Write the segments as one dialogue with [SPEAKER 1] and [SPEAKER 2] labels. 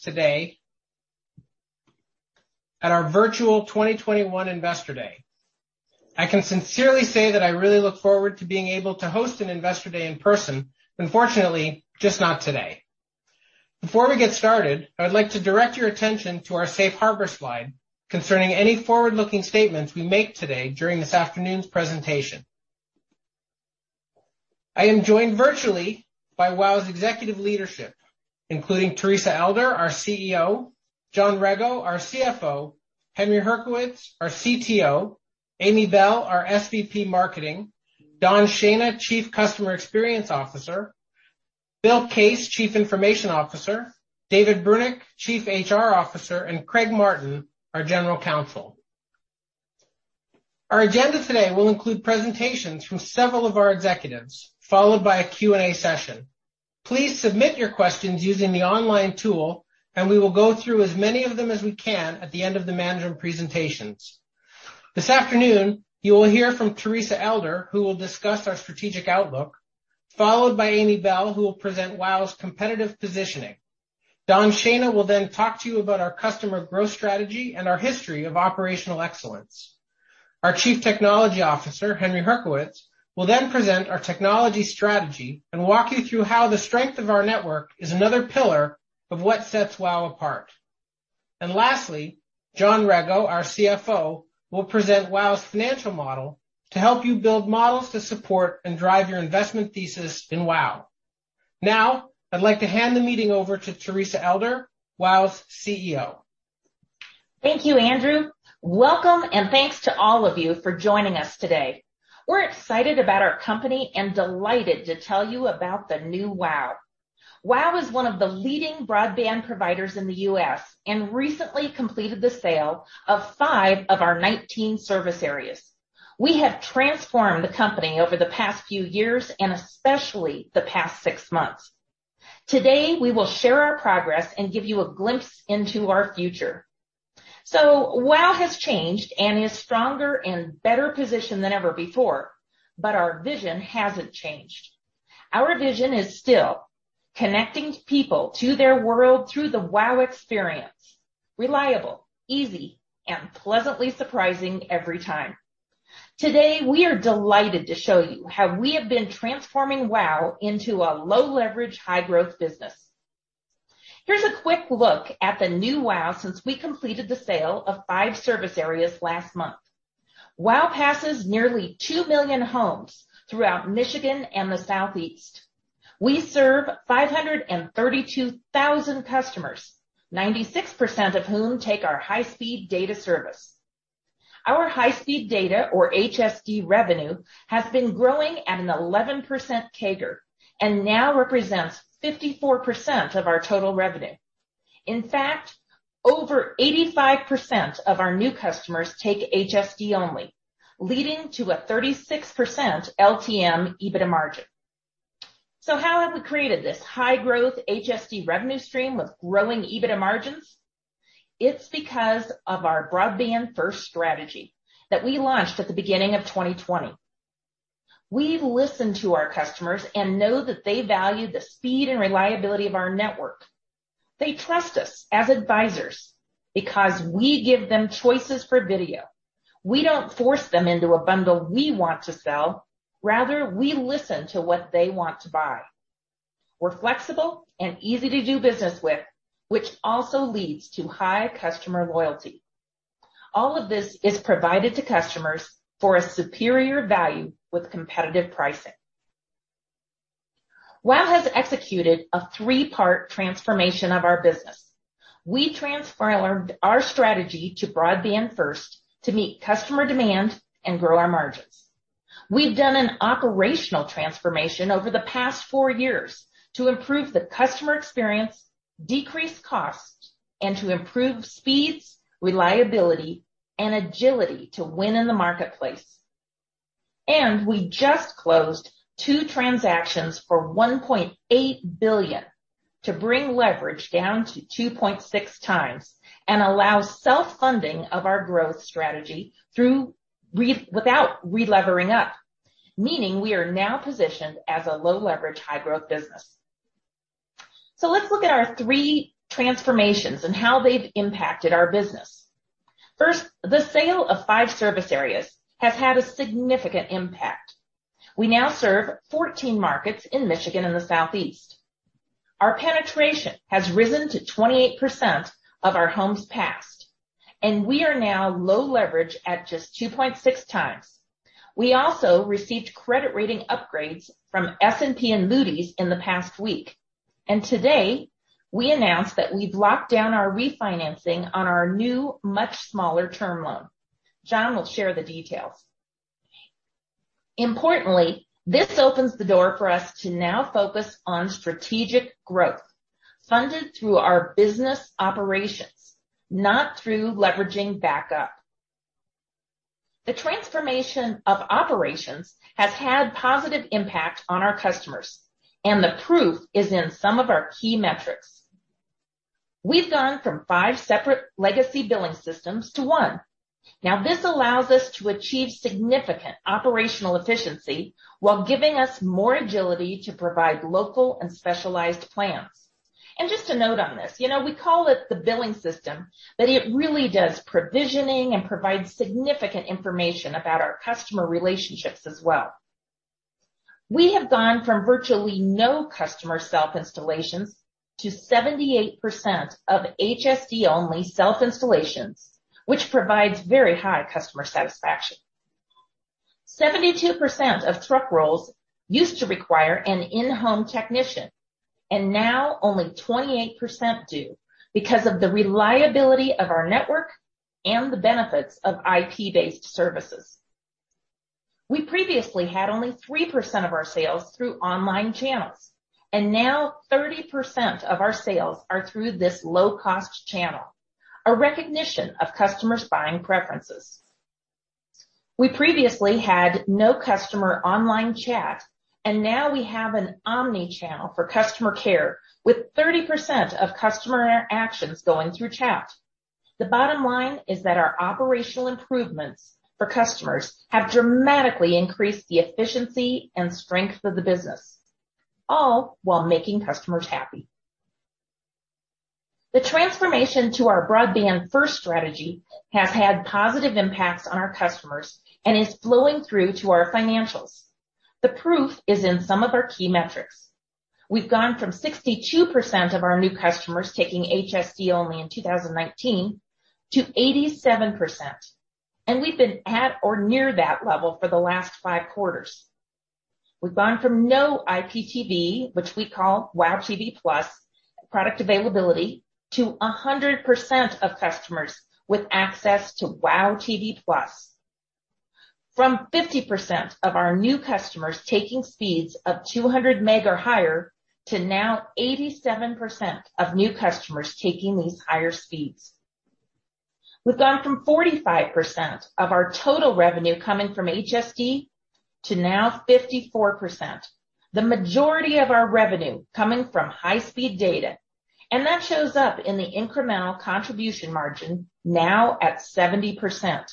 [SPEAKER 1] Today at our virtual 2021 Investor Day. I can sincerely say that I really look forward to being able to host an Investor Day in person. Unfortunately, just not today. Before we get started, I would like to direct your attention to our safe harbor slide concerning any forward-looking statements we make today during this afternoon's presentation. I am joined virtually by WOW!'s executive leadership, including Teresa Elder, our CEO, John Rego, our CFO, Henry Hryckiewicz, our CTO, Amy Bell, our SVP Marketing, Don Schena, Chief Customer Experience Officer, Bill Case, Chief Information Officer, David Brunick, Chief HR Officer, and Craig Martin, our General Counsel. Our agenda today will include presentations from several of our executives, followed by a Q&A session. Please submit your questions using the online tool, and we will go through as many of them as we can at the end of the management presentations. This afternoon, you will hear from Teresa Elder, who will discuss our strategic outlook, followed by Amy Bell, who will present WOW!'s competitive positioning. Don Schena will then talk to you about our customer growth strategy and our history of operational excellence. Our Chief Technology Officer, Henry Hryckiewicz, will then present our technology strategy and walk you through how the strength of our network is another pillar of what sets WOW! apart. Lastly, John Rego, our CFO, will present WOW!'s financial model to help you build models to support and drive your investment thesis in WOW!. Now I'd like to hand the meeting over to Teresa Elder, WOW!'s CEO.
[SPEAKER 2] Thank you, Andrew. Welcome, and thanks to all of you for joining us today. We're excited about our company and delighted to tell you about the new WOW!. WOW! is one of the leading broadband providers in the U.S. and recently completed the sale of five of our 19 service areas. We have transformed the company over the past few years and especially the past six months. Today, we will share our progress and give you a glimpse into our future. WOW! has changed and is stronger and better positioned than ever before, but our vision hasn't changed. Our vision is still connecting people to their world through the WOW! experience, reliable, easy, and pleasantly surprising every time. Today, we are delighted to show you how we have been transforming WOW! into a low leverage, high growth business. Here's a quick look at the new WOW! since we completed the sale of five service areas last month. WOW! passes nearly 2 million homes throughout Michigan and the Southeast. We serve 532,000 customers, 96% of whom take our high-speed data service. Our high-speed data, or HSD revenue, has been growing at an 11% CAGR and now represents 54% of our total revenue. In fact, over 85% of our new customers take HSD only, leading to a 36% LTM EBITDA margin. How have we created this high-growth HSD revenue stream with growing EBITDA margins? It's because of our broadband first strategy that we launched at the beginning of 2020. We've listened to our customers and know that they value the speed and reliability of our network. They trust us as advisors because we give them choices for video. We don't force them into a bundle we want to sell. Rather, we listen to what they want to buy. We're flexible and easy to do business with, which also leads to high customer loyalty. All of this is provided to customers for a superior value with competitive pricing. WOW! has executed a three-part transformation of our business. We transferred our strategy to broadband first to meet customer demand and grow our margins. We've done an operational transformation over the past four years to improve the customer experience, decrease costs, and to improve speeds, reliability, and agility to win in the marketplace. We just closed two transactions for $1.8 billion to bring leverage down to 2.6x and allow self-funding of our growth strategy through without relevering up, meaning we are now positioned as a low leverage, high growth business. Let's look at our three transformations and how they've impacted our business. First, the sale of five service areas has had a significant impact. We now serve 14 markets in Michigan and the Southeast. Our penetration has risen to 28% of our homes passed, and we are now low leverage at just 2.6x. We also received credit rating upgrades from S&P and Moody's in the past week. Today, we announced that we've locked down our refinancing on our new, much smaller term loan. John will share the details. Importantly, this opens the door for us to now focus on strategic growth funded through our business operations, not through leveraging up. The transformation of operations has had positive impact on our customers, and the proof is in some of our key metrics. We've gone from five separate legacy billing systems to one. Now this allows us to achieve significant operational efficiency while giving us more agility to provide local and specialized plans. Just a note on this, you know, we call it the billing system, but it really does provisioning and provides significant information about our customer relationships as well. We have gone from virtually no customer self-installations to 78% of HSD-only self installations, which provides very high customer satisfaction. 72% of truck rolls used to require an in-home technician, and now only 28% do because of the reliability of our network and the benefits of IP-based services. We previously had only 3% of our sales through online channels, and now 30% of our sales are through this low-cost channel, a recognition of customers' buying preferences. We previously had no customer online chat, and now we have an omni-channel for customer care with 30% of customer interactions going through chat. The bottom line is that our operational improvements for customers have dramatically increased the efficiency and strength of the business, all while making customers happy. The transformation to our broadband first strategy has had positive impacts on our customers and is flowing through to our financials. The proof is in some of our key metrics. We've gone from 62% of our new customers taking HSD only in 2019 to 87%, and we've been at or near that level for the last five quarters. We've gone from no IPTV, which we call WOW! tv+ product availability, to 100% of customers with access to WOW! tv+. From 50% of our new customers taking speeds of 200 Mbps higher to now 87% of new customers taking these higher speeds. We've gone from 45% of our total revenue coming from HSD to now 54%. The majority of our revenue coming from high speed data, and that shows up in the incremental contribution margin, now at 70%.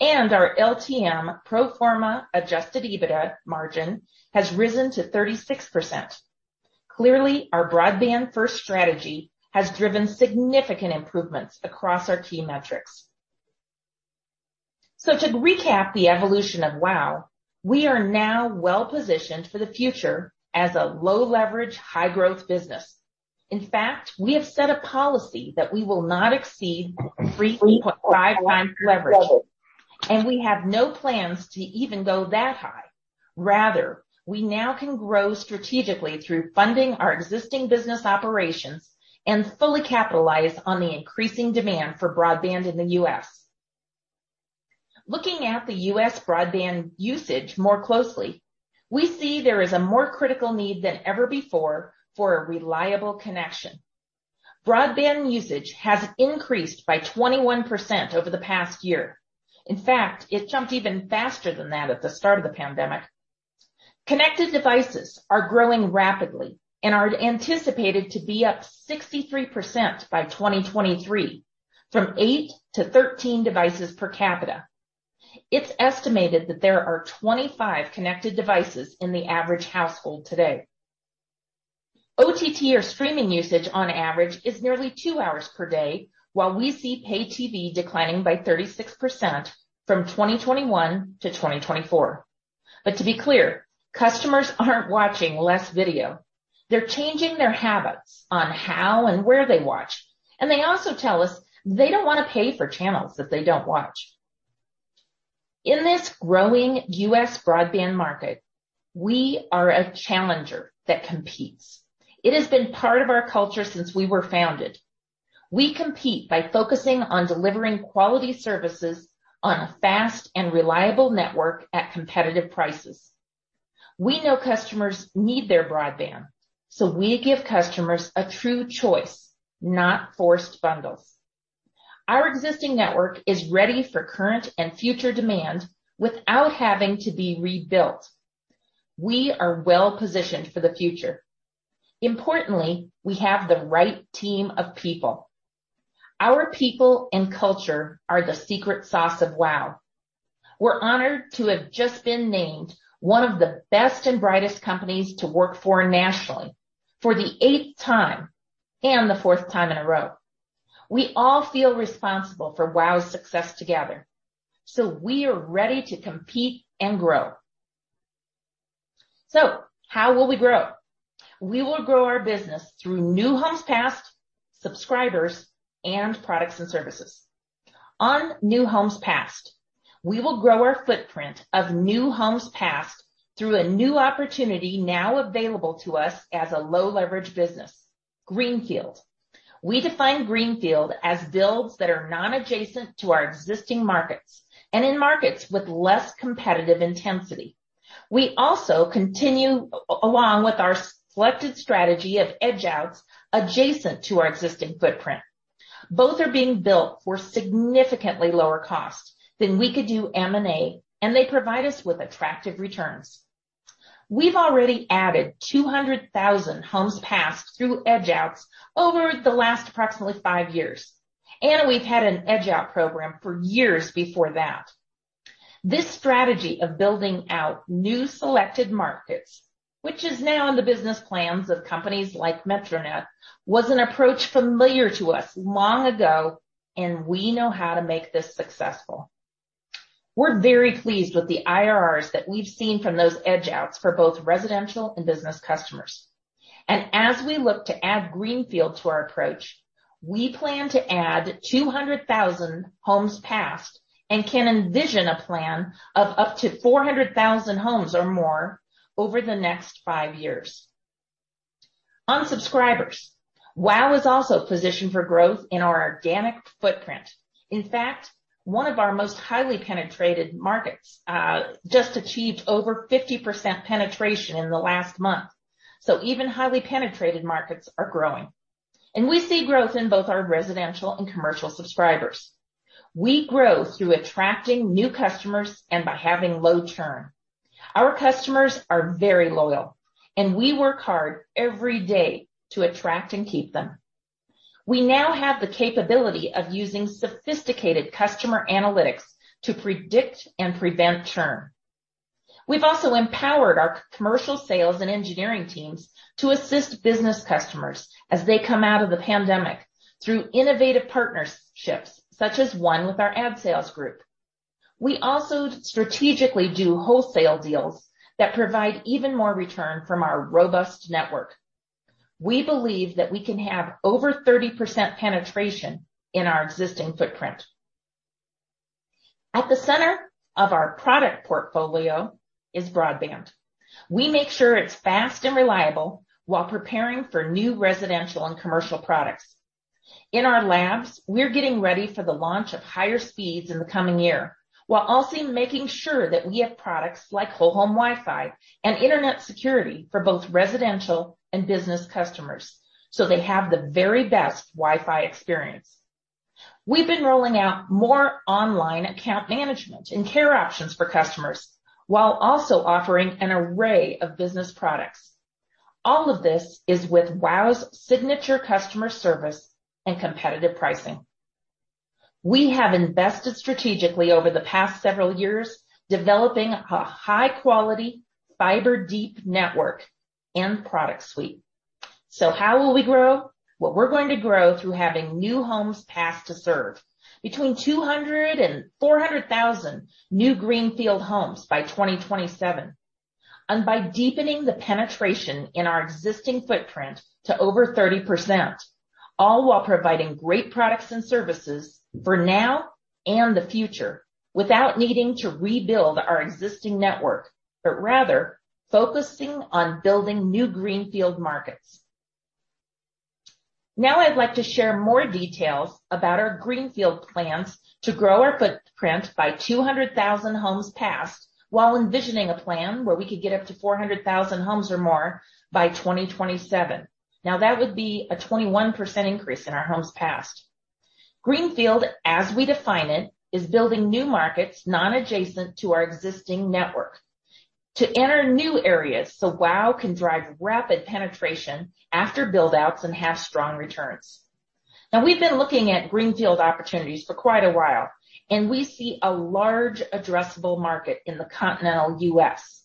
[SPEAKER 2] Our LTM pro forma adjusted EBITDA margin has risen to 36%. Clearly, our broadband first strategy has driven significant improvements across our key metrics. To recap the evolution of WOW!, we are now well-positioned for the future as a low leverage, high growth business. In fact, we have set a policy that we will not exceed 3.5x leverage, and we have no plans to even go that high. Rather, we now can grow strategically through funding our existing business operations and fully capitalize on the increasing demand for broadband in the U.S. Looking at the U.S. broadband usage more closely, we see there is a more critical need than ever before for a reliable connection. Broadband usage has increased by 21% over the past year. In fact, it jumped even faster than that at the start of the pandemic. Connected devices are growing rapidly and are anticipated to be up 63% by 2023, from eight to 13 devices per capita. It's estimated that there are 25 connected devices in the average household today. OTT or streaming usage on average is nearly two hours per day, while we see paid TV declining by 36% from 2021-2024. To be clear, customers aren't watching less video. They're changing their habits on how and where they watch, and they also tell us they don't want to pay for channels that they don't watch. In this growing U.S. broadband market, we are a challenger that competes. It has been part of our culture since we were founded. We compete by focusing on delivering quality services on a fast and reliable network at competitive prices. We know customers need their broadband, so we give customers a true choice, not forced bundles. Our existing network is ready for current and future demand without having to be rebuilt. We are well positioned for the future. Importantly, we have the right team of people. Our people and culture are the secret sauce of WOW!. We're honored to have just been named one of the best and brightest companies to work for nationally for the eighth time and the fourth time in a row. We all feel responsible for WOW!'s success together, so we are ready to compete and grow. How will we grow? We will grow our business through new homes passed, subscribers, and products and services. On new homes passed, we will grow our footprint of new homes passed through a new opportunity now available to us as a low leverage business, greenfield. We define greenfield as builds that are non-adjacent to our existing markets and in markets with less competitive intensity. We also continue along with our selected strategy of edge outs adjacent to our existing footprint. Both are being built for significantly lower cost than we could do M&A, and they provide us with attractive returns. We've already added 200,000 homes passed through edge outs over the last approximately five years, and we've had an edge out program for years before that. This strategy of building out new selected markets, which is now in the business plans of companies like Metronet, was an approach familiar to us long ago, and we know how to make this successful. We're very pleased with the IRRs that we've seen from those edge outs for both residential and business customers. As we look to add greenfield to our approach, we plan to add 200,000 homes passed and can envision a plan of up to 400,000 homes or more over the next five years. On subscribers, WOW! is also positioned for growth in our organic footprint. In fact, one of our most highly penetrated markets just achieved over 50% penetration in the last month. Even highly penetrated markets are growing. We see growth in both our residential and commercial subscribers. We grow through attracting new customers and by having low churn. Our customers are very loyal, and we work hard every day to attract and keep them. We now have the capability of using sophisticated customer analytics to predict and prevent churn. We've also empowered our commercial sales and engineering teams to assist business customers as they come out of the pandemic through innovative partnerships such as one with our ad sales group. We also strategically do wholesale deals that provide even more return from our robust network. We believe that we can have over 30% penetration in our existing footprint. At the center of our product portfolio is broadband. We make sure it's fast and reliable while preparing for new residential and commercial products. In our labs, we're getting ready for the launch of higher speeds in the coming year, while also making sure that we have products like whole home Wi-Fi and internet security for both residential and business customers, so they have the very best Wi-Fi experience. We've been rolling out more online account management and care options for customers, while also offering an array of business products. All of this is with WOW!'s signature customer service and competitive pricing. We have invested strategically over the past several years, developing a high-quality fiber-deep network and product suite. How will we grow? What we're going to grow through having new homes passed to serve. Between 200,000 and 400,000 new greenfield homes by 2027, and by deepening the penetration in our existing footprint to over 30%, all while providing great products and services for now and the future without needing to rebuild our existing network, but rather focusing on building new greenfield markets. I'd like to share more details about our greenfield plans to grow our footprint by 200,000 homes passed while envisioning a plan where we could get up to 400,000 homes or more by 2027. That would be a 21% increase in our homes passed. Greenfield, as we define it, is building new markets non-adjacent to our existing network to enter new areas so WOW! can drive rapid penetration after build-outs and have strong returns. We've been looking at greenfield opportunities for quite a while, and we see a large addressable market in the continental U.S.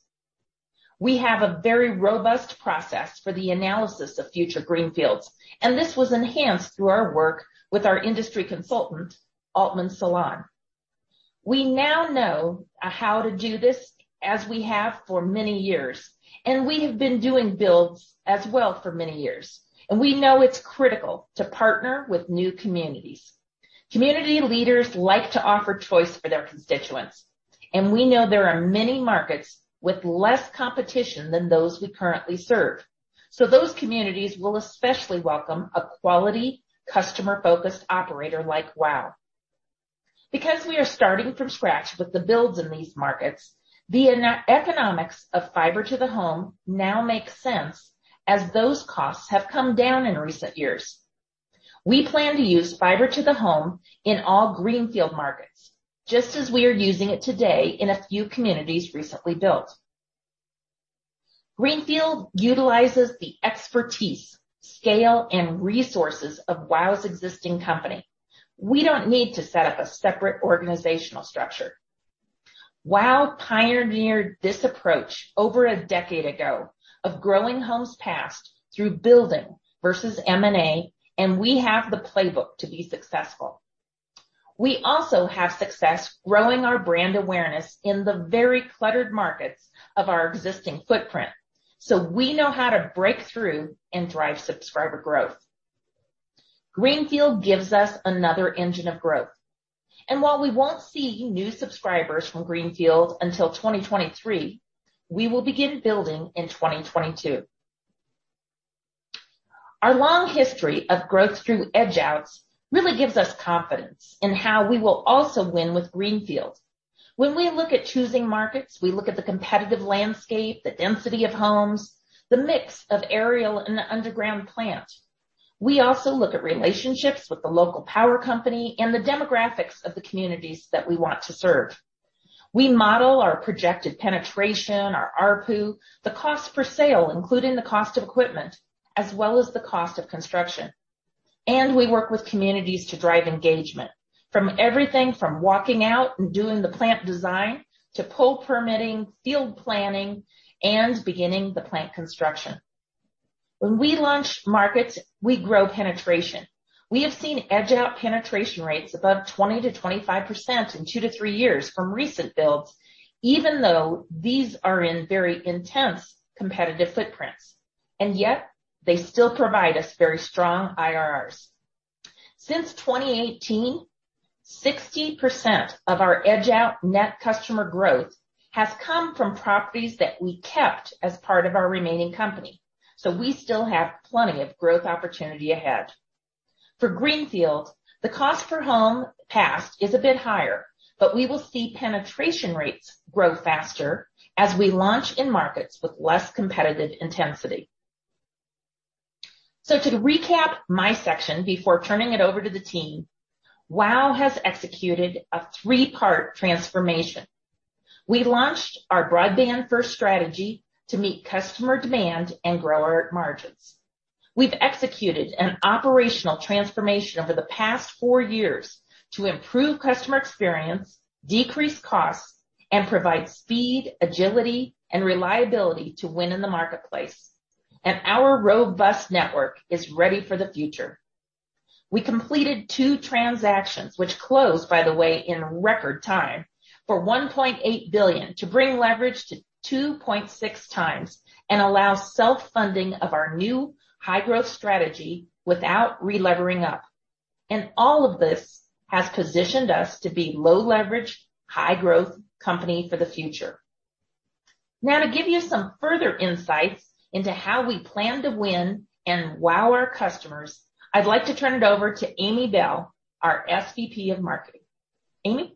[SPEAKER 2] We have a very robust process for the analysis of future greenfields, and this was enhanced through our work with our industry consultant, Altman Solon. We now know how to do this as we have for many years, and we have been doing builds as well for many years. We know it's critical to partner with new communities. Community leaders like to offer choice for their constituents, and we know there are many markets with less competition than those we currently serve. Those communities will especially welcome a quality, customer focused operator like WOW!. Because we are starting from scratch with the builds in these markets, the economics of fiber to the home now makes sense as those costs have come down in recent years. We plan to use fiber to the home in all greenfield markets, just as we are using it today in a few communities recently built. greenfield utilizes the expertise, scale, and resources of WOW!'s existing company. We don't need to set up a separate organizational structure. WOW! pioneered this approach over a decade ago of growing homes passed through building versus M&A, and we have the playbook to be successful. We also have success growing our brand awareness in the very cluttered markets of our existing footprint. We know how to break through and drive subscriber growth. Greenfield gives us another engine of growth. While we won't see new subscribers from greenfield until 2023, we will begin building in 2022. Our long history of growth through edge outs really gives us confidence in how we will also win with greenfield. When we look at choosing markets, we look at the competitive landscape, the density of homes, the mix of aerial and underground plant. We also look at relationships with the local power company and the demographics of the communities that we want to serve. We model our projected penetration, our ARPU, the cost per sale, including the cost of equipment, as well as the cost of construction. We work with communities to drive engagement from everything from walking out and doing the plant design to pole permitting, field planning, and beginning the plant construction. When we launch markets, we grow penetration. We have seen edge-out penetration rates above 20%-25% in two to three years from recent builds, even though these are in very intense competitive footprints, and yet they still provide us very strong IRRs. Since 2018, 60% of our edge-out net customer growth has come from properties that we kept as part of our remaining company, so we still have plenty of growth opportunity ahead. For greenfield, the cost per home passed is a bit higher, but we will see penetration rates grow faster as we launch in markets with less competitive intensity. To recap my section before turning it over to the team, WOW! has executed a three-part transformation. We launched our broadband-first strategy to meet customer demand and grow our margins. We've executed an operational transformation over the past four years to improve customer experience, decrease costs, and provide speed, agility, and reliability to win in the marketplace. Our robust network is ready for the future. We completed two transactions which closed, by the way, in record time for $1.8 billion to bring leverage to 2.6x and allow self-funding of our new high-growth strategy without relevering up. All of this has positioned us to be low leverage, high growth company for the future. Now to give you some further insights into how we plan to win and WOW! our customers, I'd like to turn it over to Amy Bell, our SVP of Marketing. Amy?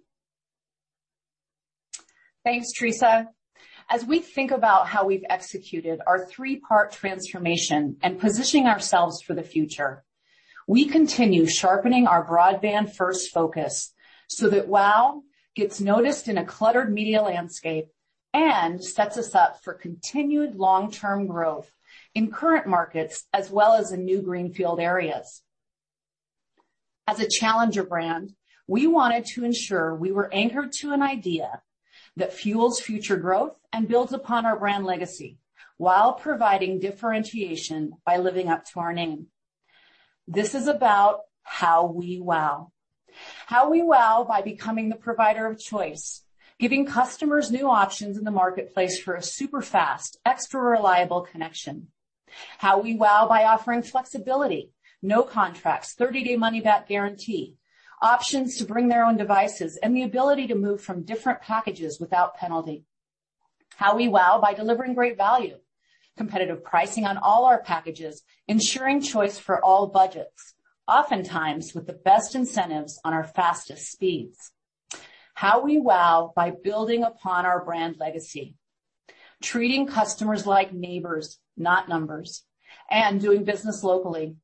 [SPEAKER 3] Thanks, Teresa. As we think about how we've executed our three-part transformation and positioning ourselves for the future, we continue sharpening our broadband-first focus so that WOW! gets noticed in a cluttered media landscape and sets us up for continued long-term growth in current markets as well as in new greenfield areas. As a challenger brand, we wanted to ensure we were anchored to an idea that fuels future growth and builds upon our brand legacy while providing differentiation by living up to our name. This is about how we WOW!. How we WOW! by becoming the provider of choice, giving customers new options in the marketplace for a super-fast, extra reliable connection. How we WOW! by offering flexibility, no contracts, thirty-day money-back guarantee, options to bring their own devices, and the ability to move from different packages without penalty. How we WOW! by delivering great value, competitive pricing on all our packages, ensuring choice for all budgets, oftentimes with the best incentives on our fastest speeds. How we WOW! by building upon our brand legacy, treating customers like neighbors, not numbers, and doing business locally.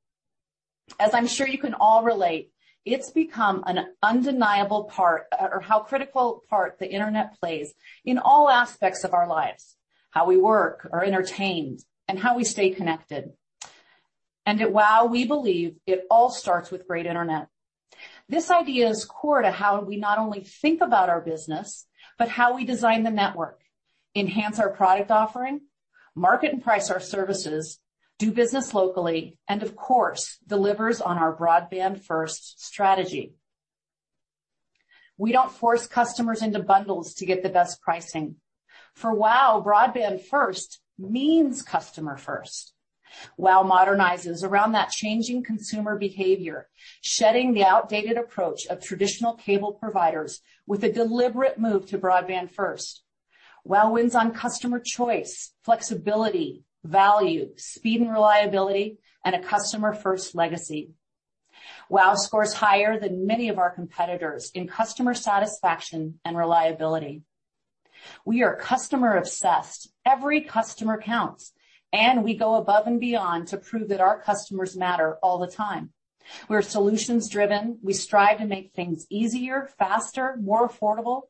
[SPEAKER 3] As I'm sure you can all relate, it's become an undeniable part of how critical a part the internet plays in all aspects of our lives, how we work or entertain, and how we stay connected. At WOW!, we believe it all starts with great internet. This idea is core to how we not only think about our business, but how we design the network, enhance our product offering, market and price our services, do business locally, and of course, deliver on our broadband-first strategy. We don't force customers into bundles to get the best pricing. For WOW!, broadband first means customer first. WOW! modernizes around that changing consumer behavior, shedding the outdated approach of traditional cable providers with a deliberate move to broadband first. WOW! wins on customer choice, flexibility, value, speed, and reliability, and a customer-first legacy. WOW! scores higher than many of our competitors in customer satisfaction and reliability. We are customer obsessed. Every customer counts, and we go above and beyond to prove that our customers matter all the time. We're solutions driven. We strive to make things easier, faster, more affordable,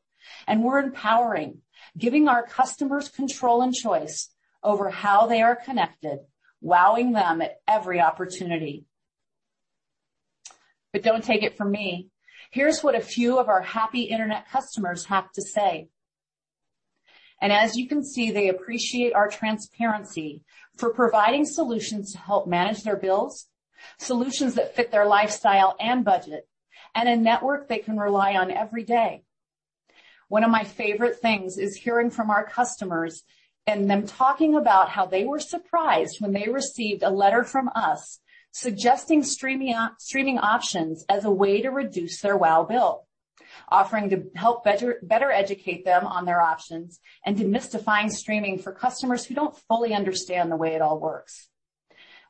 [SPEAKER 3] and we're empowering, giving our customers control and choice over how they are connected, WOW!ing them at every opportunity. But don't take it from me. Here's what a few of our happy internet customers have to say. As you can see, they appreciate our transparency for providing solutions to help manage their bills, solutions that fit their lifestyle and budget, and a network they can rely on every day. One of my favorite things is hearing from our customers and them talking about how they were surprised when they received a letter from us suggesting streaming options as a way to reduce their WOW! bill, offering to help better educate them on their options, and demystifying streaming for customers who don't fully understand the way it all works.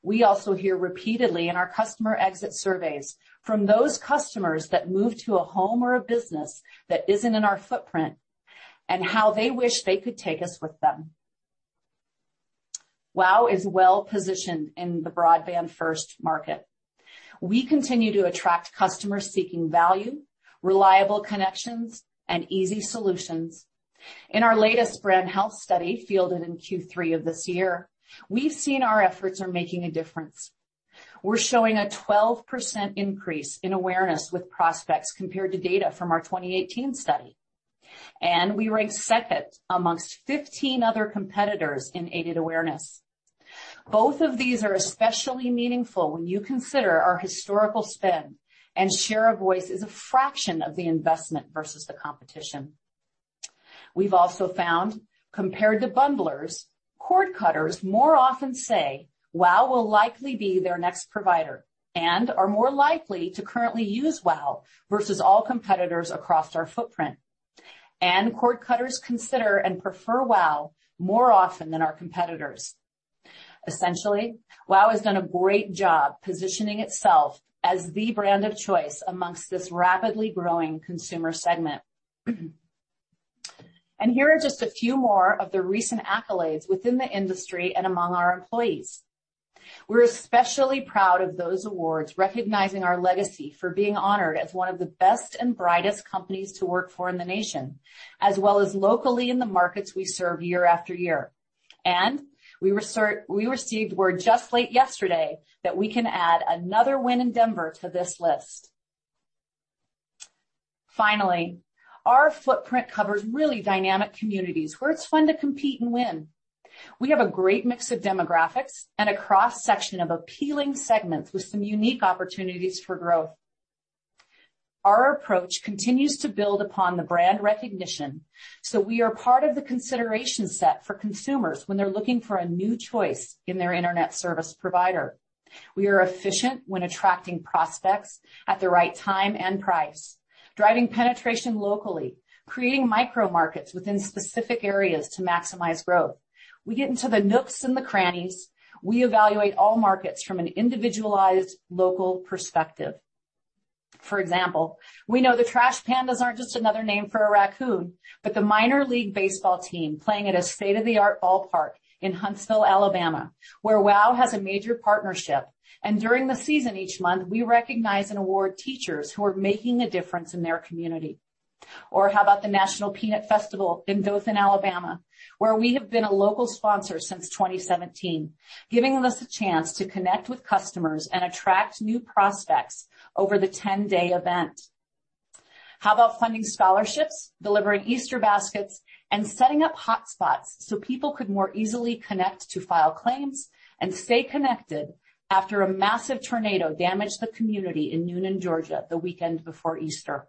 [SPEAKER 3] We also hear repeatedly in our customer exit surveys from those customers that move to a home or a business that isn't in our footprint and how they wish they could take us with them. WOW! is well positioned in the broadband first market. We continue to attract customers seeking value, reliable connections, and easy solutions. In our latest brand health study fielded in Q3 of this year, we've seen our efforts are making a difference. We're showing a 12% increase in awareness with prospects compared to data from our 2018 study. We ranked second among 15 other competitors in aided awareness. Both of these are especially meaningful when you consider our historical spend and share of voice is a fraction of the investment versus the competition. We've also found, compared to bundlers, cord cutters more often say WOW! will likely be their next provider and are more likely to currently use WOW! versus all competitors across our footprint. Cord cutters consider and prefer WOW! more often than our competitors. Essentially, WOW! has done a great job positioning itself as the brand of choice among this rapidly growing consumer segment. Here are just a few more of the recent accolades within the industry and among our employees. We're especially proud of those awards recognizing our legacy for being honored as one of the best and brightest companies to work for in the nation, as well as locally in the markets we serve year after year. We received word just late yesterday that we can add another win in Denver to this list. Finally, our footprint covers really dynamic communities where it's fun to compete and win. We have a great mix of demographics and a cross-section of appealing segments with some unique opportunities for growth. Our approach continues to build upon the brand recognition, so we are part of the consideration set for consumers when they're looking for a new choice in their internet service provider. We are efficient when attracting prospects at the right time and price, driving penetration locally, creating micro-markets within specific areas to maximize growth. We get into the nooks and the crannies. We evaluate all markets from an individualized local perspective. For example, we know the trash pandas aren't just another name for a raccoon, but the Minor League Baseball team playing at a state-of-the-art ballpark in Huntsville, Alabama, where WOW! has a major partnership. During the season each month, we recognize and award teachers who are making a difference in their community. How about the National Peanut Festival in Dothan, Alabama, where we have been a local sponsor since 2017, giving us a chance to connect with customers and attract new prospects over the 10-day event. How about funding scholarships, delivering Easter baskets, and setting up hotspots so people could more easily connect to file claims and stay connected after a massive tornado damaged the community in Newnan, Georgia the weekend before Easter?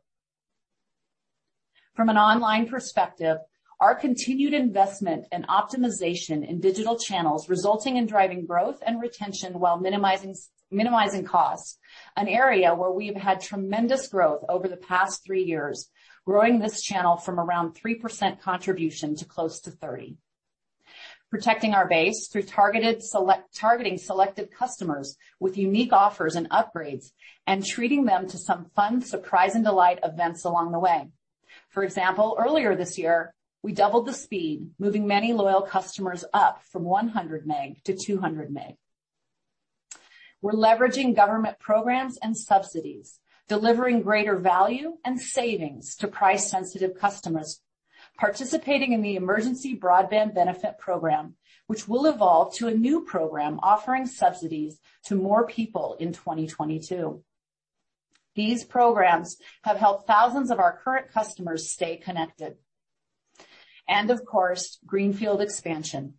[SPEAKER 3] From an online perspective, our continued investment and optimization in digital channels resulting in driving growth and retention while minimizing costs, an area where we've had tremendous growth over the past three years, growing this channel from around 3% contribution to close to 30%. Protecting our base through targeting selective customers with unique offers and upgrades and treating them to some fun surprise and delight events along the way. For example, earlier this year, we doubled the speed, moving many loyal customers up from 100 MB-200 MB. We're leveraging government programs and subsidies, delivering greater value and savings to price-sensitive customers. Participating in the Emergency Broadband Benefit program, which will evolve to a new program offering subsidies to more people in 2022. These programs have helped thousands of our current customers stay connected. Of course, greenfield expansion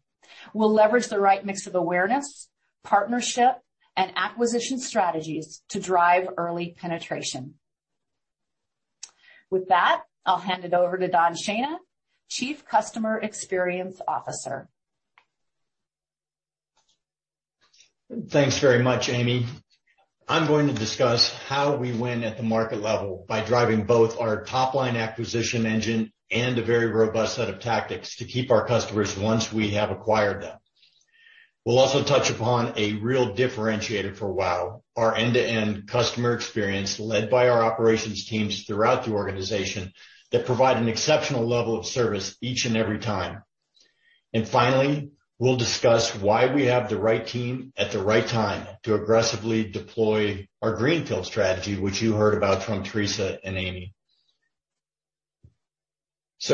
[SPEAKER 3] will leverage the right mix of awareness, partnership, and acquisition strategies to drive early penetration. With that, I'll hand it over to Don Schena, Chief Customer Experience Officer.
[SPEAKER 4] Thanks very much, Amy. I'm going to discuss how we win at the market level by driving both our top-line acquisition engine and a very robust set of tactics to keep our customers once we have acquired them. We'll also touch upon a real differentiator for WOW!, our end-to-end customer experience led by our operations teams throughout the organization that provide an exceptional level of service each and every time. Finally, we'll discuss why we have the right team at the right time to aggressively deploy our greenfield strategy, which you heard about from Teresa and Amy.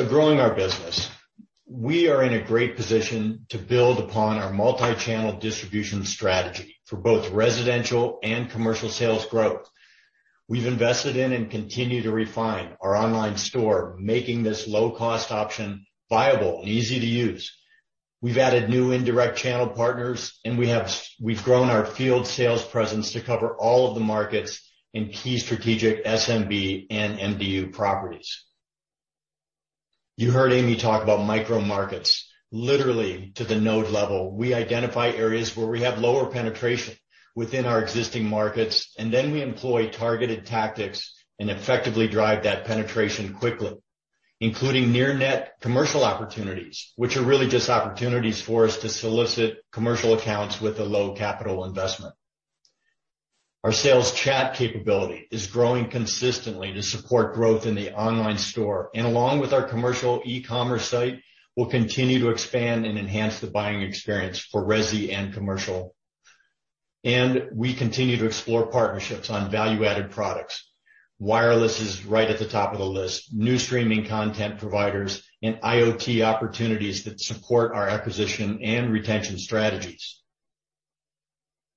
[SPEAKER 4] Growing our business. We are in a great position to build upon our multi-channel distribution strategy for both residential and commercial sales growth. We've invested in and continue to refine our online store, making this low-cost option viable and easy to use. We've added new indirect channel partners, and we've grown our field sales presence to cover all of the markets in key strategic SMB and MDU properties. You heard Amy talk about micro markets. Literally, to the node level, we identify areas where we have lower penetration within our existing markets, and then we employ targeted tactics and effectively drive that penetration quickly, including near-net commercial opportunities, which are really just opportunities for us to solicit commercial accounts with a low capital investment. Our sales chat capability is growing consistently to support growth in the online store, and along with our commercial e-commerce site, we'll continue to expand and enhance the buying experience for resi and commercial. We continue to explore partnerships on value-added products. Wireless is right at the top of the list. New streaming content providers and IoT opportunities that support our acquisition and retention strategies.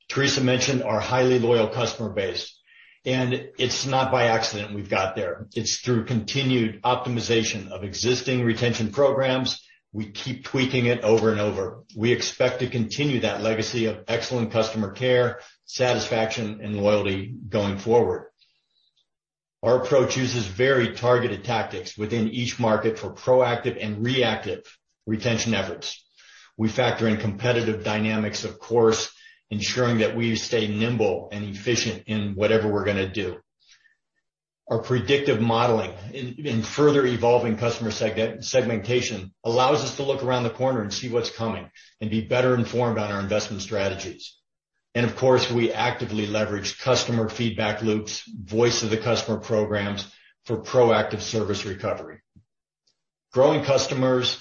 [SPEAKER 4] Teresa mentioned our highly loyal customer base, and it's not by accident we've got there. It's through continued optimization of existing retention programs. We keep tweaking it over and over. We expect to continue that legacy of excellent customer care, satisfaction, and loyalty going forward. Our approach uses very targeted tactics within each market for proactive and reactive retention efforts. We factor in competitive dynamics, of course, ensuring that we stay nimble and efficient in whatever we're gonna do. Our predictive modeling in further evolving customer segmentation allows us to look around the corner and see what's coming and be better informed on our investment strategies. Of course, we actively leverage customer feedback loops, voice of the customer programs for proactive service recovery. Growing customers,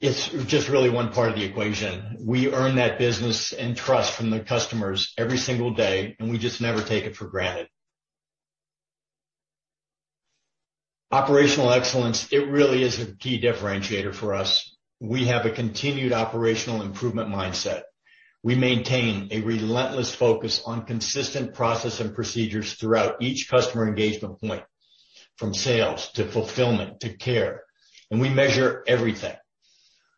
[SPEAKER 4] it's just really one part of the equation. We earn that business and trust from the customers every single day, and we just never take it for granted. Operational excellence, it really is a key differentiator for us. We have a continued operational improvement mindset. We maintain a relentless focus on consistent process and procedures throughout each customer engagement point, from sales to fulfillment to care, and we measure everything.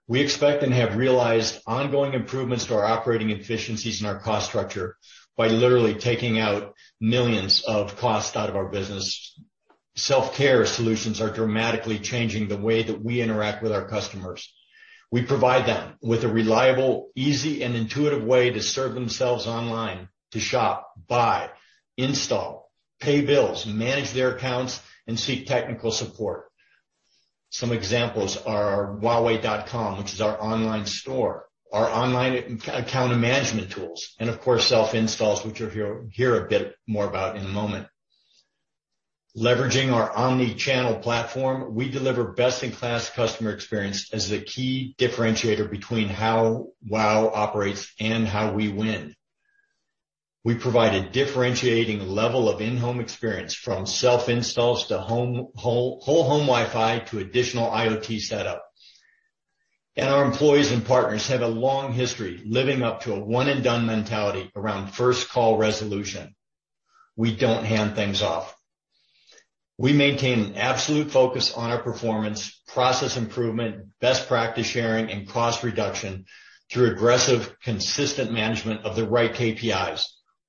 [SPEAKER 4] We expect and have realized ongoing improvements to our operating efficiencies and our cost structure by literally taking out millions of costs out of our business. Self-care solutions are dramatically changing the way that we interact with our customers. We provide them with a reliable, easy, and intuitive way to serve themselves online, to shop, buy, install, pay bills, manage their accounts, and seek technical support. Some examples are wowway.com, which is our online store, our online account management tools, and of course, self-installs, which you'll hear a bit more about in a moment. Leveraging our omni-channel platform, we deliver best-in-class customer experience as the key differentiator between how WOW! operates and how we win. We provide a differentiating level of in-home experience from self-installs to whole-home Wi-Fi to additional IoT setup. Our employees and partners have a long history living up to a one-and-done mentality around first call resolution. We don't hand things off. We maintain an absolute focus on our performance, process improvement, best practice sharing, and cost reduction through aggressive, consistent management of the right KPIs,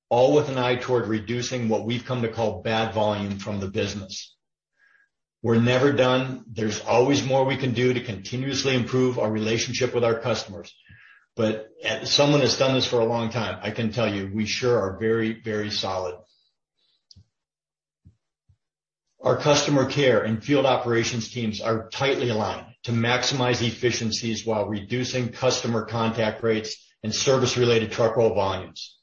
[SPEAKER 4] all with an eye toward reducing what we've come to call bad volume from the business. We're never done. There's always more we can do to continuously improve our relationship with our customers. As someone who's done this for a long time, I can tell you, we sure are very, very solid. Our customer care and field operations teams are tightly aligned to maximize efficiencies while reducing customer contact rates and service-related truck roll volumes.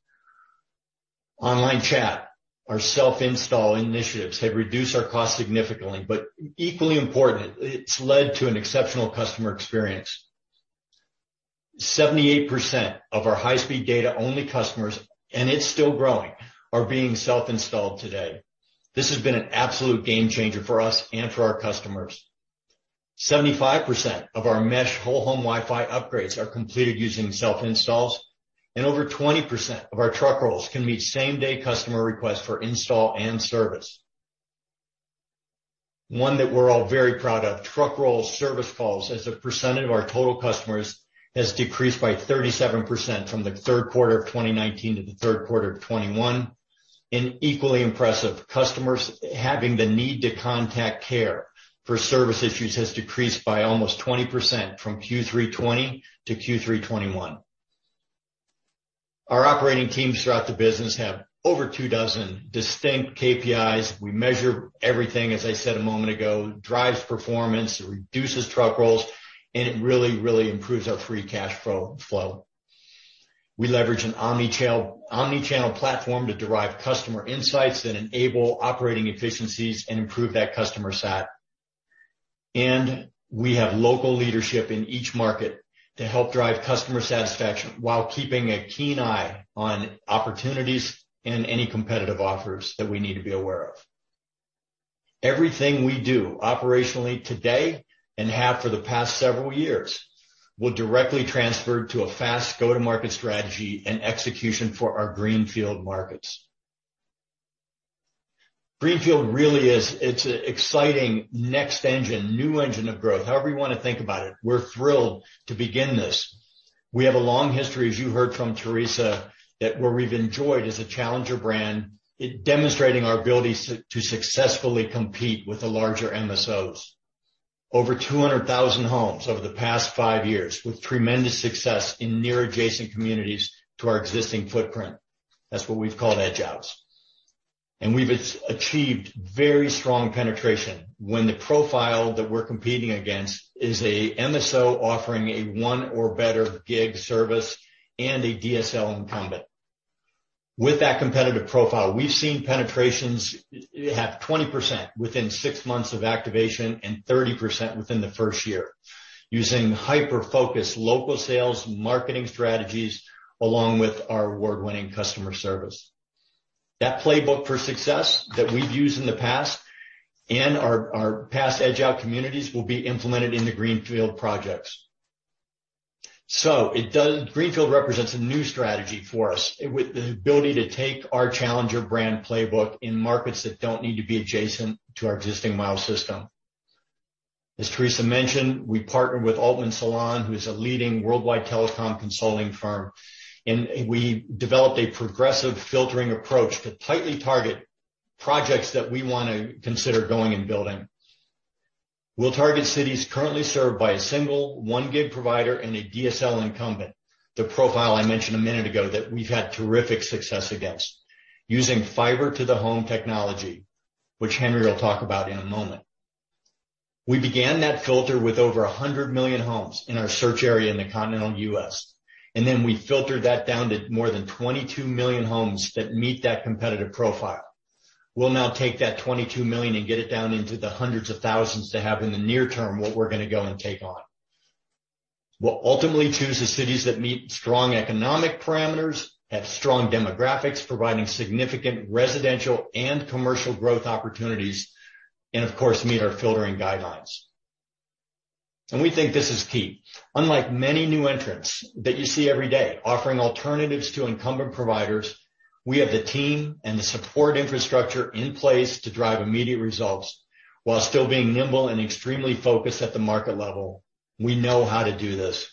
[SPEAKER 4] Online chat. Our self-install initiatives have reduced our costs significantly, but equally important, it's led to an exceptional customer experience. 78% of our high-speed data-only customers, and it's still growing, are being self-installed today. This has been an absolute game-changer for us and for our customers. 75% of our mesh whole home Wi-Fi upgrades are completed using self-installs, and over 20% of our truck rolls can meet same-day customer requests for install and service. One that we're all very proud of, truck roll service calls as a percentage of our total customers has decreased by 37% from the third quarter of 2019 to the third quarter of 2021. Equally impressive, customers having the need to contact care for service issues has decreased by almost 20% from Q3 2020 to Q3 2021. Our operating teams throughout the business have over two dozen distinct KPIs. We measure everything, as I said a moment ago. It drives performance, it reduces truck rolls, and it really, really improves our free cash flow. We leverage an omni-channel platform to derive customer insights that enable operating efficiencies and improve that customer sat. We have local leadership in each market to help drive customer satisfaction while keeping a keen eye on opportunities and any competitive offers that we need to be aware of. Everything we do operationally today and have for the past several years will directly transfer to a fast go-to-market strategy and execution for our greenfield markets. Greenfield really is. It's an exciting next engine, new engine of growth. However you wanna think about it, we're thrilled to begin this. We have a long history, as you heard from Teresa, where we've enjoyed as a challenger brand, demonstrating our ability to successfully compete with the larger MSOs. Over 200,000 homes over the past five years with tremendous success in near adjacent communities to our existing footprint. That's what we've called edge outs. We've achieved very strong penetration when the profile that we're competing against is an MSO offering a 1 Gb or better service and a DSL incumbent. With that competitive profile, we've seen penetrations have 20% within six months of activation and 30% within the first year, using hyper-focused local sales marketing strategies along with our award-winning customer service. That playbook for success that we've used in the past and our past edge-out communities will be implemented in the greenfield projects. Greenfield represents a new strategy for us with the ability to take our challenger brand playbook in markets that don't need to be adjacent to our existing Miles system. As Teresa mentioned, we partnered with Altman Solon, who is a leading worldwide telecom consulting firm, and we developed a progressive filtering approach to tightly target projects that we wanna consider going and building. We'll target cities currently served by a single 1 Gb provider and a DSL incumbent. The profile I mentioned a minute ago that we've had terrific success against. Using fiber to the home technology, which Henry will talk about in a moment. We began that filter with over 100 million homes in our search area in the continental U.S., and then we filtered that down to more than 22 million homes that meet that competitive profile. We'll now take that 22 million and get it down into the hundreds of thousands to have in the near term what we're gonna go and take on. We'll ultimately choose the cities that meet strong economic parameters, have strong demographics, providing significant residential and commercial growth opportunities, and of course, meet our filtering guidelines. We think this is key. Unlike many new entrants that you see every day offering alternatives to incumbent providers, we have the team and the support infrastructure in place to drive immediate results while still being nimble and extremely focused at the market level. We know how to do this.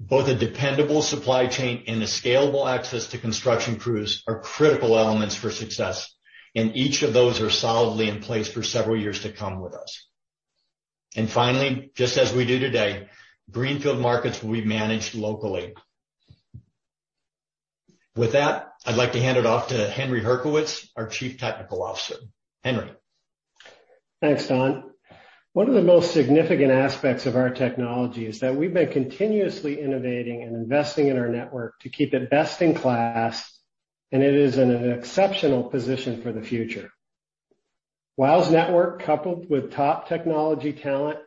[SPEAKER 4] Both a dependable supply chain and a scalable access to construction crews are critical elements for success, and each of those are solidly in place for several years to come with us. Finally, just as we do today, greenfield markets will be managed locally. With that, I'd like to hand it off to Henry Hryckiewicz, our Chief Technical Officer. Henry.
[SPEAKER 5] Thanks, Don. One of the most significant aspects of our technology is that we've been continuously innovating and investing in our network to keep it best in class, and it is in an exceptional position for the future. WOW!'s network, coupled with top technology talent,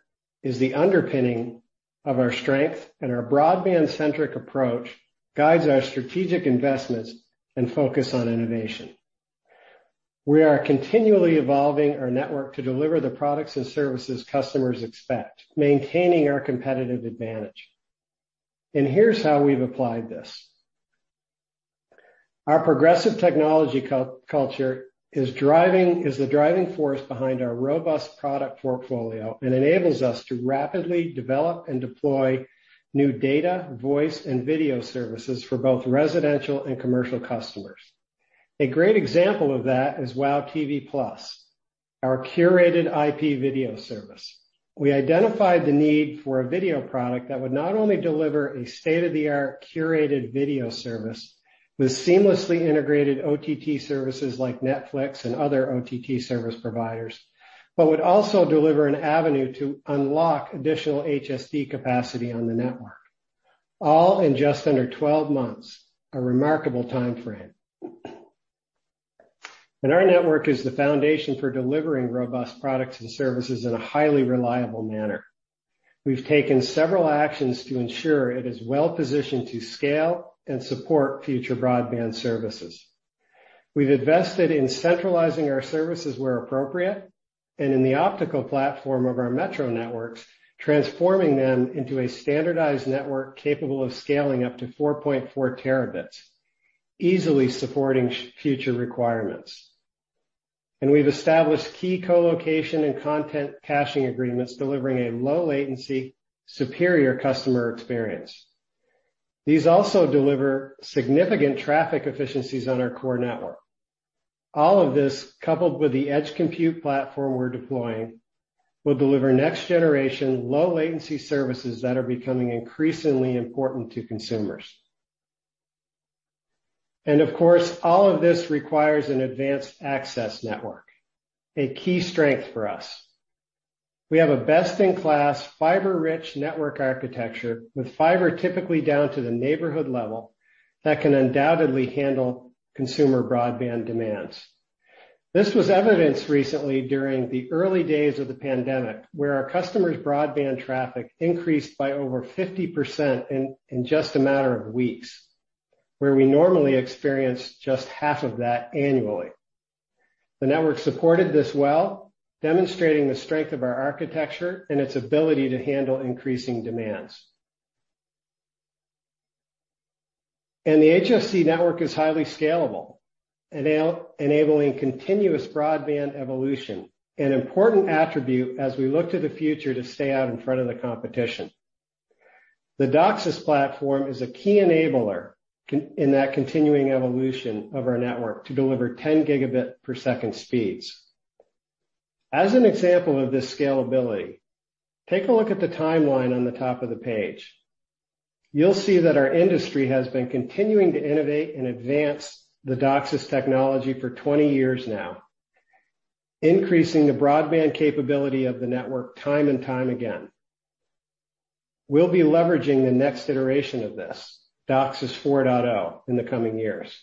[SPEAKER 5] is the underpinning of our strength, and our broadband-centric approach guides our strategic investments and focus on innovation. We are continually evolving our network to deliver the products and services customers expect, maintaining our competitive advantage. Here's how we've applied this. Our progressive technology culture is the driving force behind our robust product portfolio and enables us to rapidly develop and deploy new data, voice, and video services for both residential and commercial customers. A great example of that is WOW! tv+, our curated IP video service. We identified the need for a video product that would not only deliver a state-of-the-art curated video service with seamlessly integrated OTT services like Netflix and other OTT service providers, but would also deliver an avenue to unlock additional HSD capacity on the network, all in just under 12 months, a remarkable timeframe. Our network is the foundation for delivering robust products and services in a highly reliable manner. We've taken several actions to ensure it is well-positioned to scale and support future broadband services. We've invested in centralizing our services where appropriate and in the optical platform of our metro networks, transforming them into a standardized network capable of scaling up to 4.4 Tb, easily supporting future requirements. We've established key colocation and content caching agreements, delivering a low latency, superior customer experience. These also deliver significant traffic efficiencies on our core network. All of this, coupled with the edge compute platform we're deploying, will deliver next-generation, low-latency services that are becoming increasingly important to consumers. Of course, all of this requires an advanced access network, a key strength for us. We have a best-in-class, fiber-rich network architecture with fiber typically down to the neighborhood level that can undoubtedly handle consumer broadband demands. This was evidenced recently during the early days of the pandemic, where our customers' broadband traffic increased by over 50% in just a matter of weeks, where we normally experience just half of that annually. The network supported this well, demonstrating the strength of our architecture and its ability to handle increasing demands. The HFC network is highly scalable, enabling continuous broadband evolution, an important attribute as we look to the future to stay out in front of the competition. The DOCSIS platform is a key enabler in that continuing evolution of our network to deliver 10 Gbps speeds. As an example of this scalability, take a look at the timeline on the top of the page. You'll see that our industry has been continuing to innovate and advance the DOCSIS technology for 20 years now, increasing the broadband capability of the network time and time again. We'll be leveraging the next iteration of this, DOCSIS 4.0, in the coming years.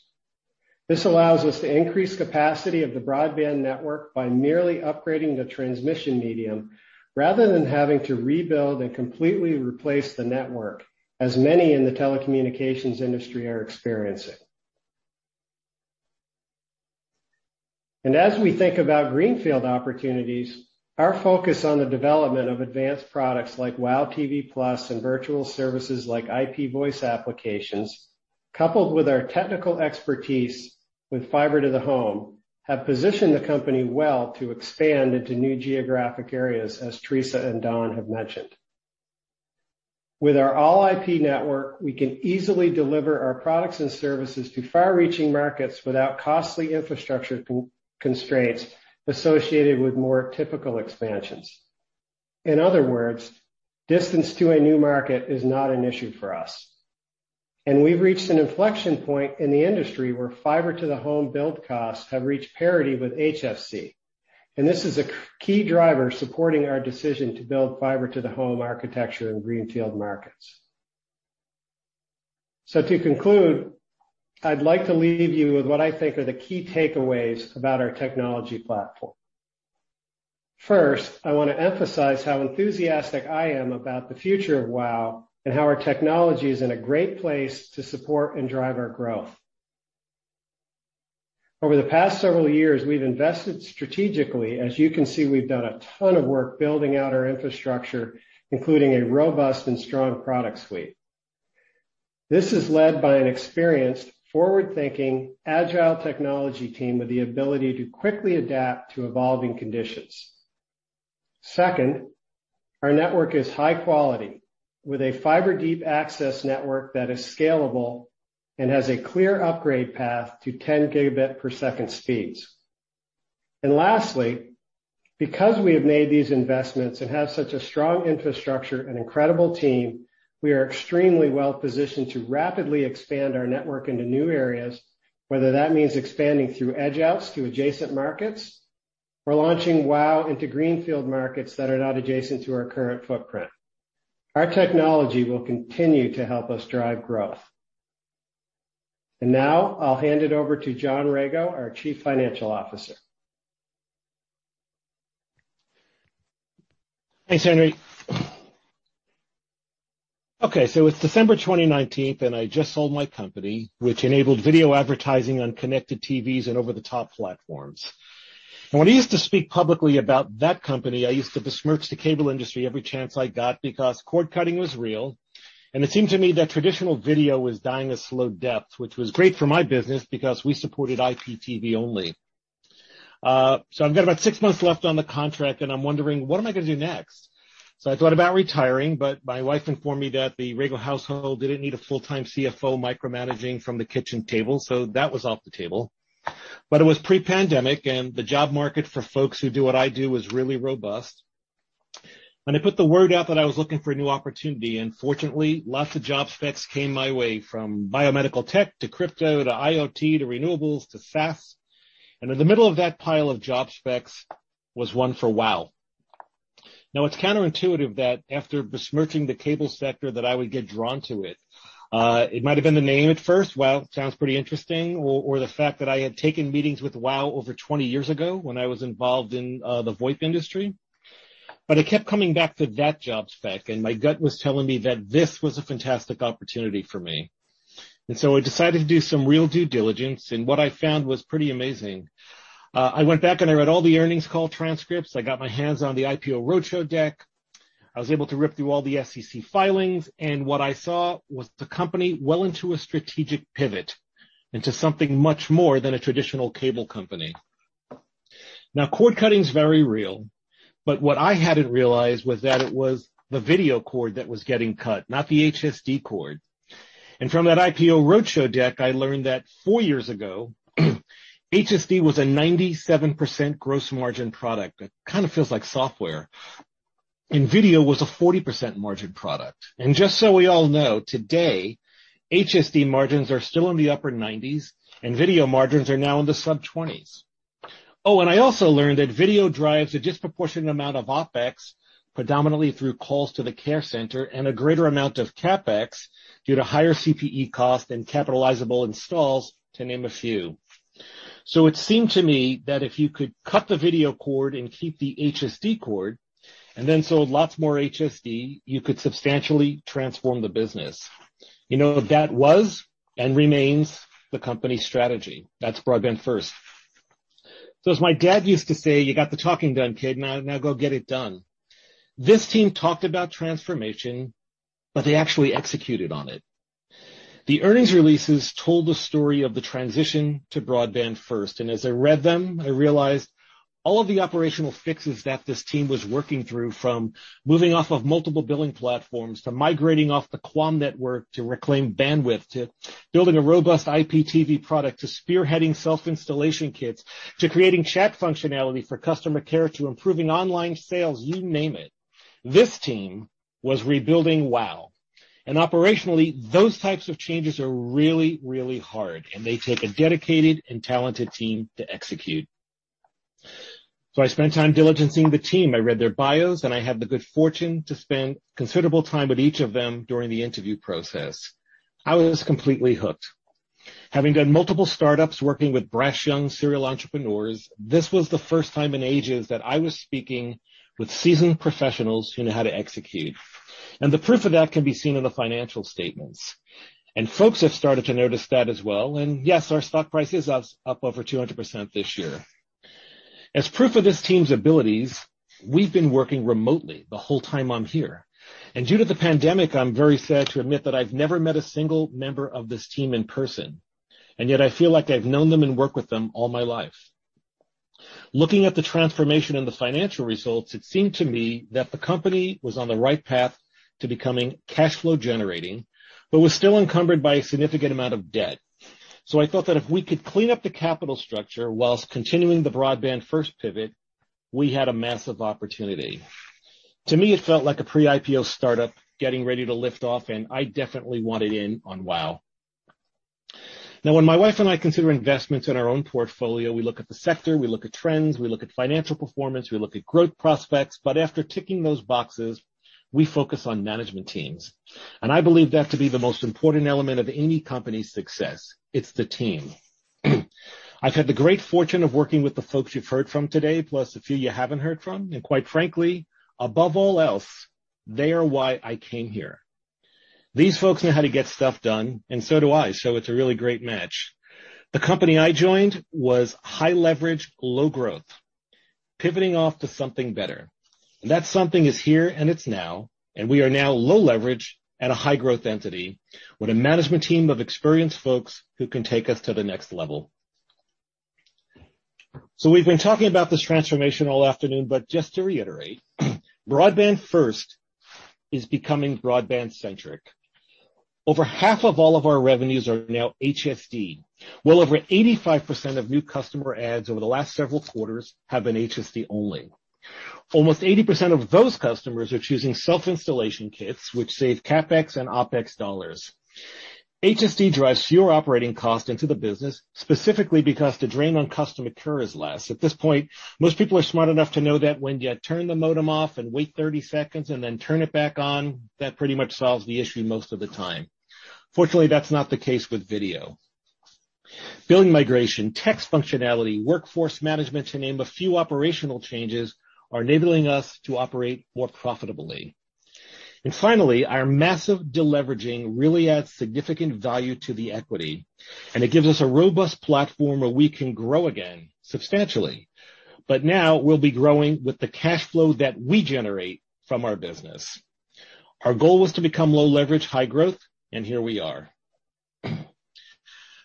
[SPEAKER 5] This allows us to increase capacity of the broadband network by merely upgrading the transmission medium rather than having to rebuild and completely replace the network, as many in the telecommunications industry are experiencing. As we think about greenfield opportunities, our focus on the development of advanced products like WOW tv+ and virtual services like IP voice applications, coupled with our technical expertise with fiber to the home, have positioned the company well to expand into new geographic areas, as Teresa and Don have mentioned. With our all IP network, we can easily deliver our products and services to far-reaching markets without costly infrastructure constraints associated with more typical expansions. In other words, distance to a new market is not an issue for us. We've reached an inflection point in the industry where fiber to the home build costs have reached parity with HFC. This is a key driver supporting our decision to build fiber to the home architecture in greenfield markets. To conclude, I'd like to leave you with what I think are the key takeaways about our technology platform. First, I want to emphasize how enthusiastic I am about the future of WOW! and how our technology is in a great place to support and drive our growth. Over the past several years, we've invested strategically. As you can see, we've done a ton of work building out our infrastructure, including a robust and strong product suite. This is led by an experienced, forward-thinking, agile technology team with the ability to quickly adapt to evolving conditions. Second, our network is high quality with a fiber-deep access network that is scalable and has a clear upgrade path to 10 Gbps speeds. Lastly, because we have made these investments and have such a strong infrastructure and incredible team, we are extremely well-positioned to rapidly expand our network into new areas, whether that means expanding through edge outs to adjacent markets or launching WOW! into greenfield markets that are not adjacent to our current footprint. Our technology will continue to help us drive growth. Now I'll hand it over to John Rego, our Chief Financial Officer.
[SPEAKER 6] Thanks, Henry. Okay, it's December 2019, and I just sold my company, which enabled video advertising on connected TVs and over-the-top platforms. When I used to speak publicly about that company, I used to besmirch the cable industry every chance I got because cord cutting was real, and it seemed to me that traditional video was dying a slow death, which was great for my business because we supported IPTV only. I've got about six months left on the contract, and I'm wondering, what am I gonna do next? I thought about retiring, but my wife informed me that the Rego household didn't need a full-time CFO micromanaging from the kitchen table, so that was off the table. It was pre-pandemic, and the job market for folks who do what I do was really robust. I put the word out that I was looking for a new opportunity. Fortunately, lots of job specs came my way, from biomedical tech to crypto, to IoT, to renewables, to SaaS. In the middle of that pile of job specs was one for WOW!. Now, it's counterintuitive that after besmirching the cable sector that I would get drawn to it. It might have been the name at first. WOW! sounds pretty interesting. Or the fact that I had taken meetings with WOW! over 20 years ago when I was involved in the VoIP industry. But I kept coming back to that job spec, and my gut was telling me that this was a fantastic opportunity for me. I decided to do some real due diligence, and what I found was pretty amazing. I went back and I read all the earnings call transcripts. I got my hands on the IPO roadshow deck. I was able to rip through all the SEC filings, and what I saw was the company well into a strategic pivot into something much more than a traditional cable company. Now, cord cutting is very real, but what I hadn't realized was that it was the video cord that was getting cut, not the HSD cord. From that IPO roadshow deck, I learned that four years ago, HSD was a 97% gross margin product. That kind of feels like software. Video was a 40% margin product. Just so we all know, today, HSD margins are still in the upper 90%s, and video margins are now in the sub-20%s. Oh, I also learned that video drives a disproportionate amount of OpEx, predominantly through calls to the care center, and a greater amount of CapEx due to higher CPE costs and capitalizable installs, to name a few. It seemed to me that if you could cut the video cord and keep the HSD cord, and then sold lots more HSD, you could substantially transform the business. You know, that was and remains the company strategy. That's broadband first. As my dad used to say, "You got the talking done, kid, now go get it done." This team talked about transformation, but they actually executed on it. The earnings releases told the story of the transition to broadband first, and as I read them, I realized all of the operational fixes that this team was working through, from moving off of multiple billing platforms, to migrating off the QAM network to reclaim bandwidth, to building a robust IPTV product, to spearheading self-installation kits, to creating chat functionality for customer care, to improving online sales, you name it. This team was rebuilding WOW!. Operationally, those types of changes are really, really hard, and they take a dedicated and talented team to execute. I spent time diligencing the team. I read their bios, and I had the good fortune to spend considerable time with each of them during the interview process. I was completely hooked. Having done multiple startups, working with brash, young serial entrepreneurs, this was the first time in ages that I was speaking with seasoned professionals who know how to execute. The proof of that can be seen in the financial statements. Folks have started to notice that as well, and yes, our stock price is up over 200% this year. As proof of this team's abilities, we've been working remotely the whole time I'm here. Due to the pandemic, I'm very sad to admit that I've never met a single member of this team in person, and yet I feel like I've known them and worked with them all my life. Looking at the transformation in the financial results, it seemed to me that the company was on the right path to becoming cash flow generating, but was still encumbered by a significant amount of debt. I thought that if we could clean up the capital structure while continuing the broadband first pivot, we had a massive opportunity. To me, it felt like a pre-IPO startup getting ready to lift off, and I definitely wanted in on WOW!. Now, when my wife and I consider investments in our own portfolio, we look at the sector, we look at trends, we look at financial performance, we look at growth prospects. But after ticking those boxes, we focus on management teams. I believe that to be the most important element of any company's success, it's the team. I've had the great fortune of working with the folks you've heard from today, plus a few you haven't heard from. Quite frankly, above all else, they are why I came here. These folks know how to get stuff done, and so do I, so it's a really great match. The company I joined was high leverage, low growth, pivoting off to something better. That something is here and it's now, and we are now low leverage at a high growth entity with a management team of experienced folks who can take us to the next level. We've been talking about this transformation all afternoon, but just to reiterate, broadband first is becoming broadband-centric. Over half of all of our revenues are now HSD. Well over 85% of new customer adds over the last several quarters have been HSD only. Almost 80% of those customers are choosing self-installation kits, which save CapEx and OpEx dollars. HSD drives your operating cost into the business, specifically because the drain on customer care is less. At this point, most people are smart enough to know that when you turn the modem off and wait 30 seconds and then turn it back on, that pretty much solves the issue most of the time. Fortunately, that's not the case with video. Billing migration, text functionality, workforce management, to name a few operational changes, are enabling us to operate more profitably. Finally, our massive deleveraging really adds significant value to the equity, and it gives us a robust platform where we can grow again substantially. Now we'll be growing with the cash flow that we generate from our business. Our goal was to become low leverage, high growth, and here we are.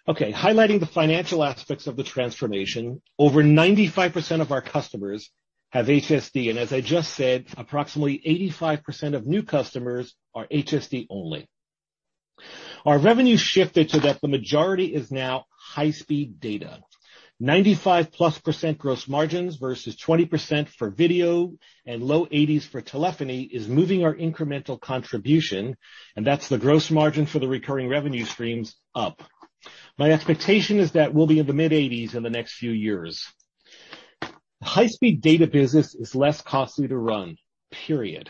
[SPEAKER 6] Okay, highlighting the financial aspects of the transformation. Over 95% of our customers have HSD, and as I just said, approximately 85% of new customers are HSD only. Our revenue shifted so that the majority is now high-speed data. 95%+ gross margins versus 20% for video and low 80%s for telephony is moving our incremental contribution, and that's the gross margin for the recurring revenue streams, up. My expectation is that we'll be in the mid-80%s in the next few years. High-speed data business is less costly to run, period.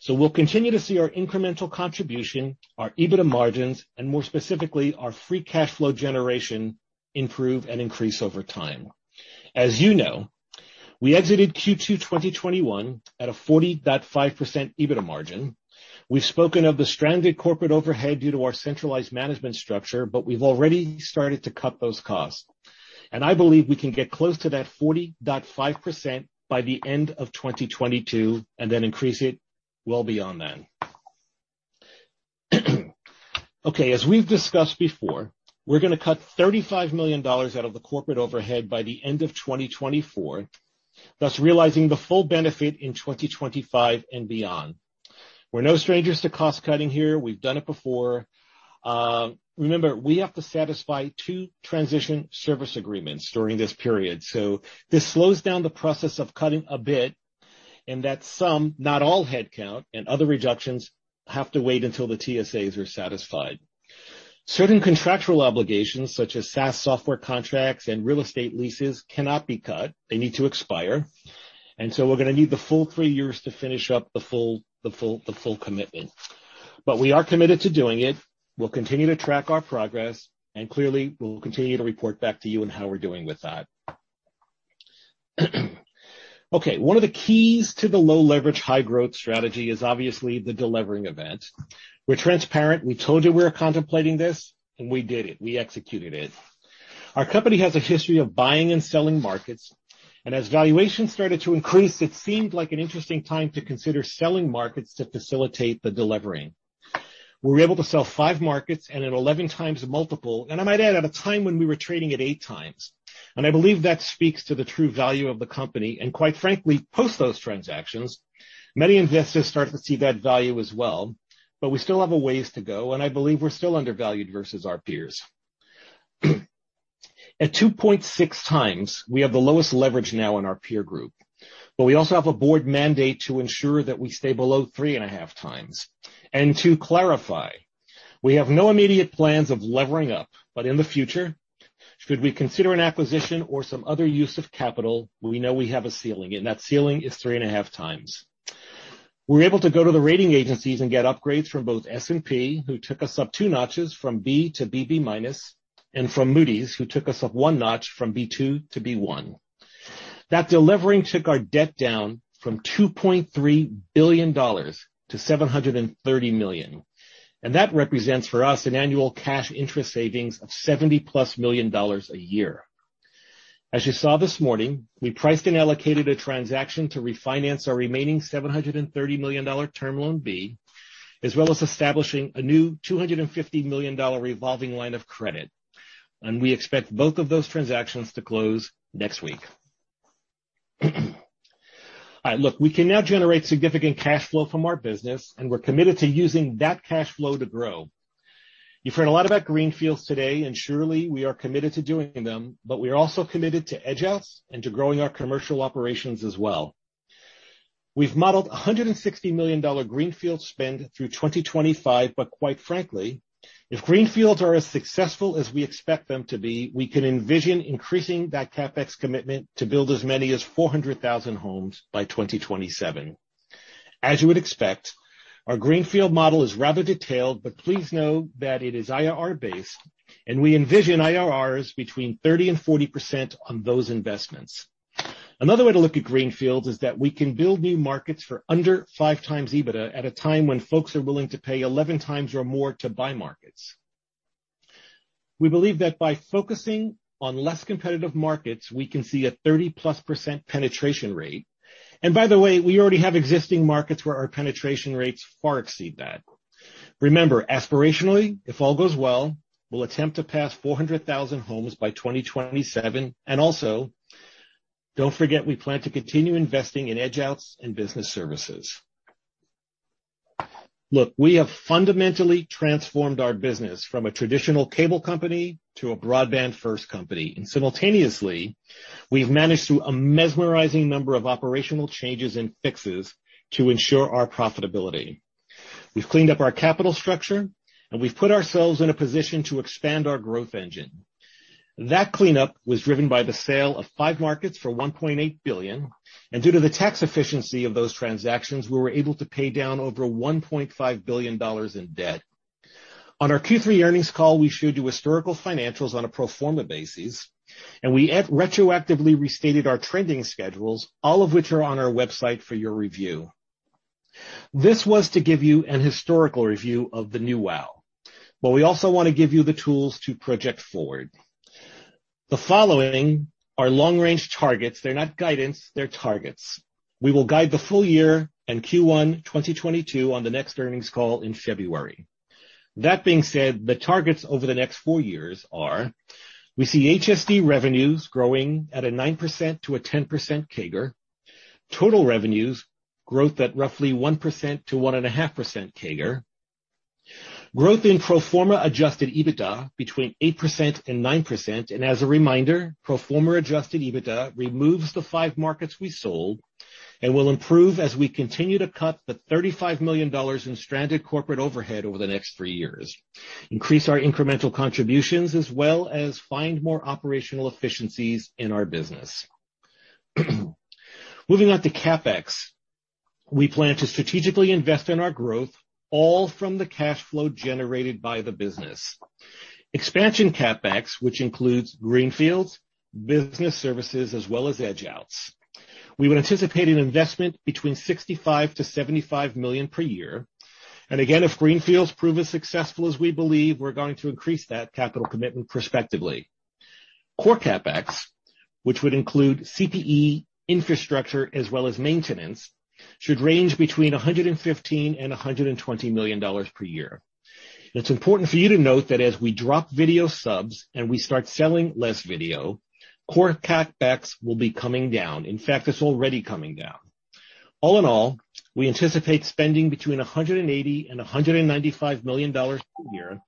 [SPEAKER 6] So we'll continue to see our incremental contribution, our EBITDA margins, and more specifically, our free cash flow generation improve and increase over time. As you know, we exited Q2 2021 at a 40.5% EBITDA margin. We've spoken of the stranded corporate overhead due to our centralized management structure, but we've already started to cut those costs. I believe we can get close to that 40.5% by the end of 2022 and then increase it well beyond then. Okay, as we've discussed before, we're gonna cut $35 million out of the corporate overhead by the end of 2024, thus realizing the full benefit in 2025 and beyond. We're no strangers to cost-cutting here. We've done it before. Remember, we have to satisfy two transition service agreements during this period. This slows down the process of cutting a bit, and that some, not all headcount and other reductions have to wait until the TSAs are satisfied. Certain contractual obligations, such as SaaS software contracts and real estate leases, cannot be cut. They need to expire. We're gonna need the full three years to finish up the full commitment. We are committed to doing it. We'll continue to track our progress, and clearly, we'll continue to report back to you on how we're doing with that. Okay, one of the keys to the low leverage, high growth strategy is obviously the delevering event. We're transparent. We told you we were contemplating this, and we did it. We executed it. Our company has a history of buying and selling markets. As valuations started to increase, it seemed like an interesting time to consider selling markets to facilitate the delevering. We were able to sell five markets and at 11x multiple, and I might add at a time when we were trading at 8x. I believe that speaks to the true value of the company. Quite frankly, post those transactions, many investors started to see that value as well. We still have a ways to go, and I believe we're still undervalued versus our peers. At 2.6x, we have the lowest leverage now in our peer group. We also have a board mandate to ensure that we stay below 3.5x. To clarify, we have no immediate plans of levering up, but in the future, should we consider an acquisition or some other use of capital, we know we have a ceiling, and that ceiling is 3.5x. We're able to go to the rating agencies and get upgrades from both S&P, who took us up two notches from B to BB-, and from Moody's, who took us up one notch from B2 to B1. That delivering took our debt down from $2.3 billion to $730 million. That represents for us an annual cash interest savings of $70+ million a year. As you saw this morning, we priced and allocated a transaction to refinance our remaining $730 million Term Loan B, as well as establishing a new $250 million revolving line of credit. We expect both of those transactions to close next week. All right, look, we can now generate significant cash flow from our business, and we're committed to using that cash flow to grow. You've heard a lot about greenfields today, and surely we are committed to doing them, but we are also committed to edge outs and to growing our commercial operations as well. We've modeled $160 million greenfield spend through 2025, but quite frankly, if greenfields are as successful as we expect them to be, we can envision increasing that CapEx commitment to build as many as 400,000 homes by 2027. As you would expect, our greenfield model is rather detailed, but please know that it is IRR-based, and we envision IRRs between 30%-40% on those investments. Another way to look at greenfields is that we can build new markets for under 5x EBITDA at a time when folks are willing to pay 11x or more to buy markets. We believe that by focusing on less competitive markets, we can see a 30%+ penetration rate. By the way, we already have existing markets where our penetration rates far exceed that. Remember, aspirationally, if all goes well, we'll attempt to pass 400,000 homes by 2027. Also, don't forget we plan to continue investing in edge outs and business services. Look, we have fundamentally transformed our business from a traditional cable company to a broadband first company, and simultaneously, we've managed through a mesmerizing number of operational changes and fixes to ensure our profitability. We've cleaned up our capital structure, and we've put ourselves in a position to expand our growth engine. That cleanup was driven by the sale of five markets for $1.8 billion, and due to the tax efficiency of those transactions, we were able to pay down over $1.5 billion in debt. On our Q3 earnings call, we showed you historical financials on a pro forma basis, and we retroactively restated our trending schedules, all of which are on our website for your review. This was to give you an historical review of the new WOW!. We also want to give you the tools to project forward. The following are long-range targets. They're not guidance, they're targets. We will guide the full year in Q1 2022 on the next earnings call in February. That being said, the targets over the next four years are: we see HSD revenues growing at a 9%-10% CAGR. Total revenues growth at roughly 1%-1.5% CAGR. Growth in pro forma adjusted EBITDA between 8% and 9%. As a reminder, pro forma adjusted EBITDA removes the five markets we sold and will improve as we continue to cut the $35 million in stranded corporate overhead over the next three years, increase our incremental contributions, as well as find more operational efficiencies in our business. Moving on to CapEx. We plan to strategically invest in our growth, all from the cash flow generated by the business. Expansion CapEx, which includes greenfields, business services, as well as edge outs. We would anticipate an investment between $65 million-$75 million per year. Again, if greenfields prove as successful as we believe, we're going to increase that capital commitment prospectively. Core CapEx, which would include CPE infrastructure as well as maintenance, should range between $115 million-$120 million per year. It's important for you to note that as we drop video subs and we start selling less video, core CapEx will be coming down. In fact, it's already coming down. All in all, we anticipate spending between $180 million and $195 million a year,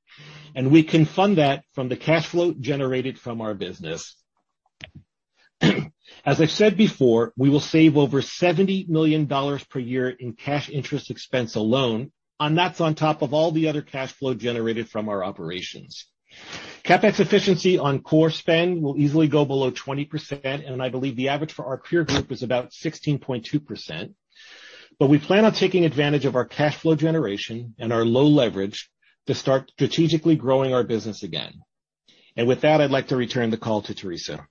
[SPEAKER 6] and we can fund that from the cash flow generated from our business. As I've said before, we will save over $70 million per year in cash interest expense alone, and that's on top of all the other cash flow generated from our operations. CapEx efficiency on core spend will easily go below 20%, and I believe the average for our peer group is about 16.2%. We plan on taking advantage of our cash flow generation and our low leverage to start strategically growing our business again. With that, I'd like to return the call to Teresa.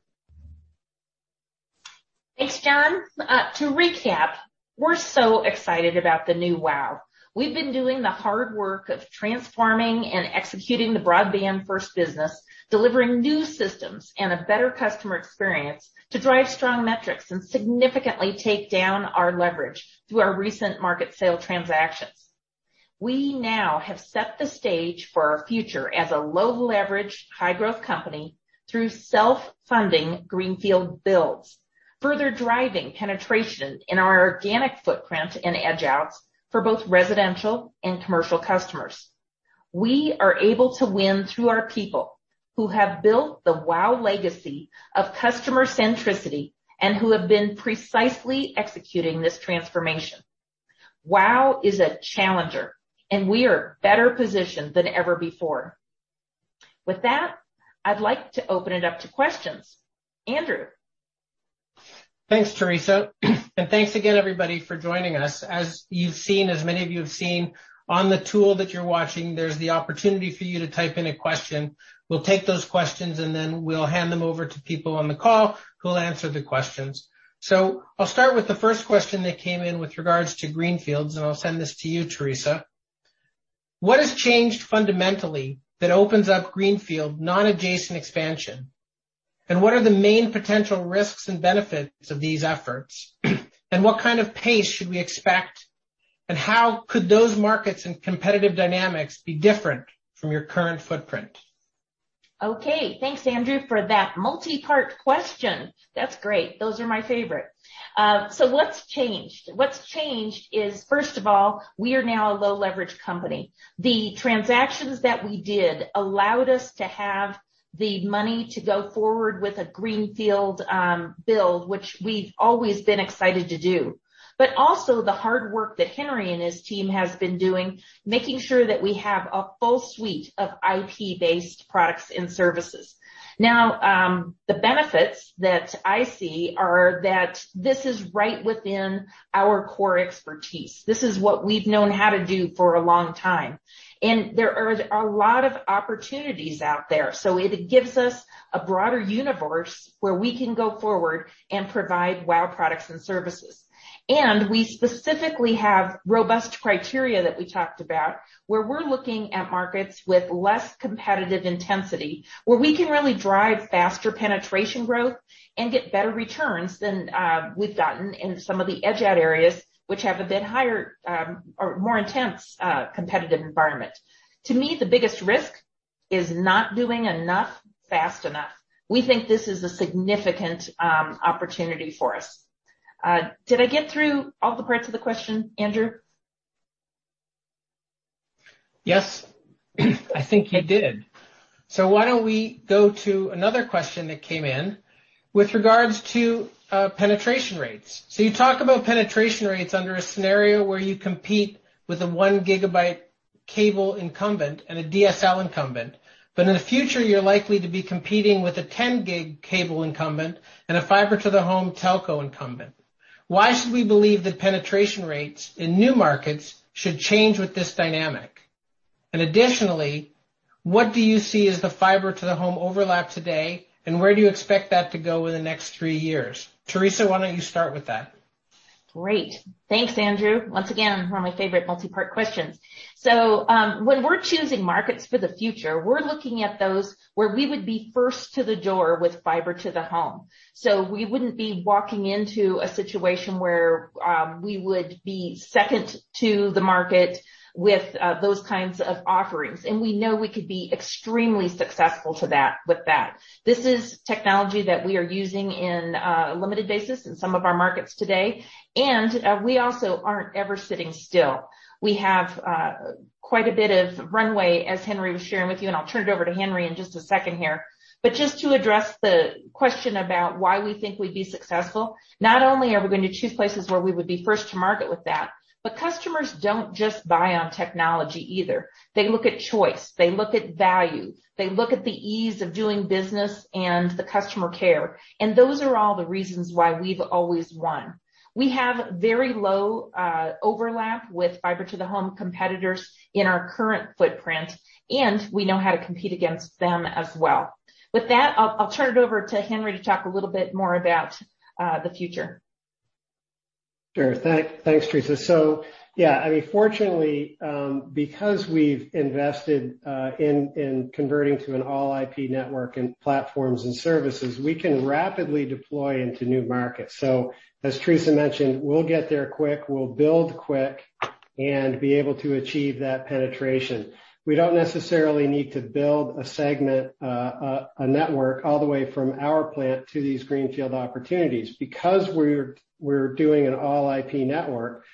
[SPEAKER 2] Thanks, John. To recap, we're so excited about the new WOW!. We've been doing the hard work of transforming and executing the broadband first business, delivering new systems and a better customer experience to drive strong metrics and significantly take down our leverage through our recent market sale transactions. We now have set the stage for our future as a low leverage, high growth company through self-funding greenfield builds, further driving penetration in our organic footprint and edge outs for both residential and commercial customers. We are able to win through our people who have built the WOW! legacy of customer centricity and who have been precisely executing this transformation. WOW! is a challenger, and we are better positioned than ever before. With that, I'd like to open it up to questions. Andrew.
[SPEAKER 1] Thanks, Teresa. Thanks again, everybody, for joining us. As you've seen, as many of you have seen on the tool that you're watching, there's the opportunity for you to type in a question. We'll take those questions, and then we'll hand them over to people on the call who'll answer the questions. I'll start with the first question that came in with regards to greenfields, and I'll send this to you, Teresa. What has changed fundamentally that opens up greenfield non-adjacent expansion? And what are the main potential risks and benefits of these efforts? And what kind of pace should we expect? And how could those markets and competitive dynamics be different from your current footprint?
[SPEAKER 2] Okay. Thanks, Andrew, for that multi-part question. That's great. Those are my favorite. What's changed? What's changed is, first of all, we are now a low leverage company. The transactions that we did allowed us to have the money to go forward with a greenfield build, which we've always been excited to do. Also the hard work that Henry and his team has been doing, making sure that we have a full suite of IP-based products and services. Now, the benefits that I see are that this is right within our core expertise. This is what we've known how to do for a long time. There are a lot of opportunities out there. It gives us a broader universe where we can go forward and provide WOW! products and services. We specifically have robust criteria that we talked about, where we're looking at markets with less competitive intensity, where we can really drive faster penetration growth and get better returns than we've gotten in some of the edge-out areas which have a bit higher, or more intense, competitive environment. To me, the biggest risk is not doing enough fast enough. We think this is a significant opportunity for us. Did I get through all the parts of the question, Andrew?
[SPEAKER 1] Yes, I think you did. Why don't we go to another question that came in with regards to penetration rates. You talk about penetration rates under a scenario where you compete with a 1 Gb cable incumbent and a DSL incumbent. But in the future, you're likely to be competing with a 10 Gb cable incumbent and a fiber to the home telco incumbent. Why should we believe the penetration rates in new markets should change with this dynamic? And additionally, what do you see as the fiber to the home overlap today, and where do you expect that to go in the next three years? Teresa, why don't you start with that?
[SPEAKER 2] Great. Thanks, Andrew. Once again, one of my favorite multi-part questions. When we're choosing markets for the future, we're looking at those where we would be first to the door with fiber to the home. We wouldn't be walking into a situation where we would be second to the market with those kinds of offerings. We know we could be extremely successful with that. This is technology that we are using in a limited basis in some of our markets today. We also aren't ever sitting still. We have quite a bit of runway, as Henry was sharing with you, and I'll turn it over to Henry in just a second here. Just to address the question about why we think we'd be successful, not only are we going to choose places where we would be first to market with that, but customers don't just buy on technology either. They look at choice, they look at value, they look at the ease of doing business and the customer care. Those are all the reasons why we've always won. We have very low overlap with fiber to the home competitors in our current footprint, and we know how to compete against them as well. With that, I'll turn it over to Henry to talk a little bit more about the future.
[SPEAKER 5] Sure. Thanks, Teresa. Fortunately, because we've invested in converting to an all IP network and platforms and services, we can rapidly deploy into new markets. As Teresa mentioned, we'll get there quick, we'll build quick and be able to achieve that penetration. We don't necessarily need to build a segment a network all the way from our plant to these greenfield opportunities. Because we're doing an all IP network,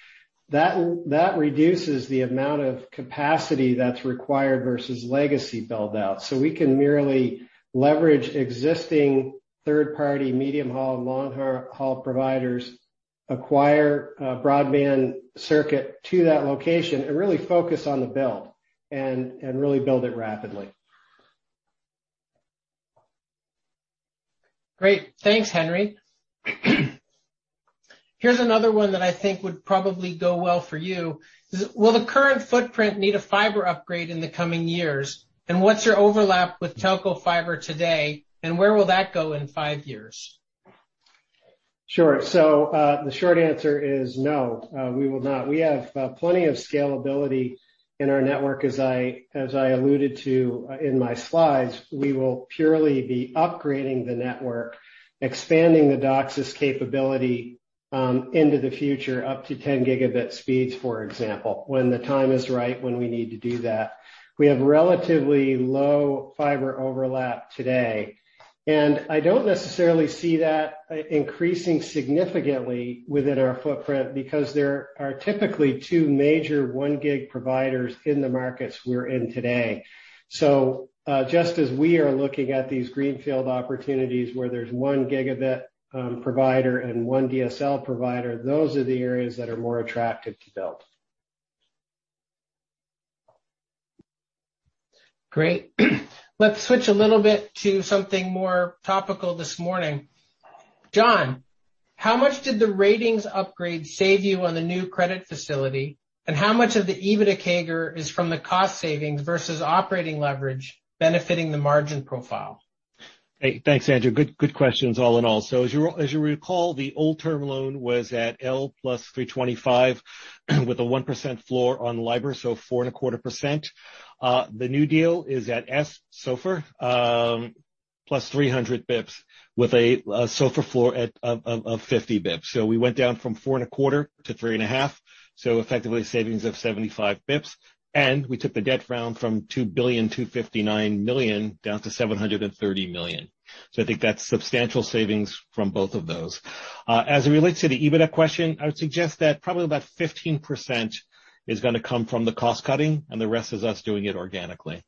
[SPEAKER 5] that reduces the amount of capacity that's required versus legacy build out. We can merely leverage existing third-party medium haul and long haul providers, acquire a broadband circuit to that location and really focus on the build and really build it rapidly.
[SPEAKER 1] Great. Thanks, Henry. Here's another one that I think would probably go well for you: Will the current footprint need a fiber upgrade in the coming years? And what's your overlap with telco fiber today, and where will that go in five years?
[SPEAKER 5] Sure. The short answer is no, we will not. We have plenty of scalability in our network as I alluded to in my slides. We will purely be upgrading the network, expanding the DOCSIS capability into the future up to 10 gigabit speeds, for example, when the time is right when we need to do that. We have relatively low fiber overlap today, and I don't necessarily see that increasing significantly within our footprint because there are typically two major 1 Gb providers in the markets we're in today. Just as we are looking at these greenfield opportunities where there's 1 Gb provider and one DSL provider, those are the areas that are more attractive to build.
[SPEAKER 1] Great. Let's switch a little bit to something more topical this morning. John, how much did the ratings upgrade save you on the new credit facility? And how much of the EBITDA CAGR is from the cost savings versus operating leverage benefiting the margin profile?
[SPEAKER 6] Hey, thanks, Andrew. Good questions all in all. As you recall, the old term loan was at L+ 325 with a 1% floor on LIBOR, so 4.25%. The new deal is at SOFR + 300 basis points with a SOFR floor of 50 basis points. We went down from 4.25% to 3.5%, so effectively savings of 75 basis points We took the debt down from $2.259 billion down to $730 million. I think that's substantial savings from both of those. As it relates to the EBITDA question, I would suggest that probably about 15% is gonna come from the cost-cutting, and the rest is us doing it organically.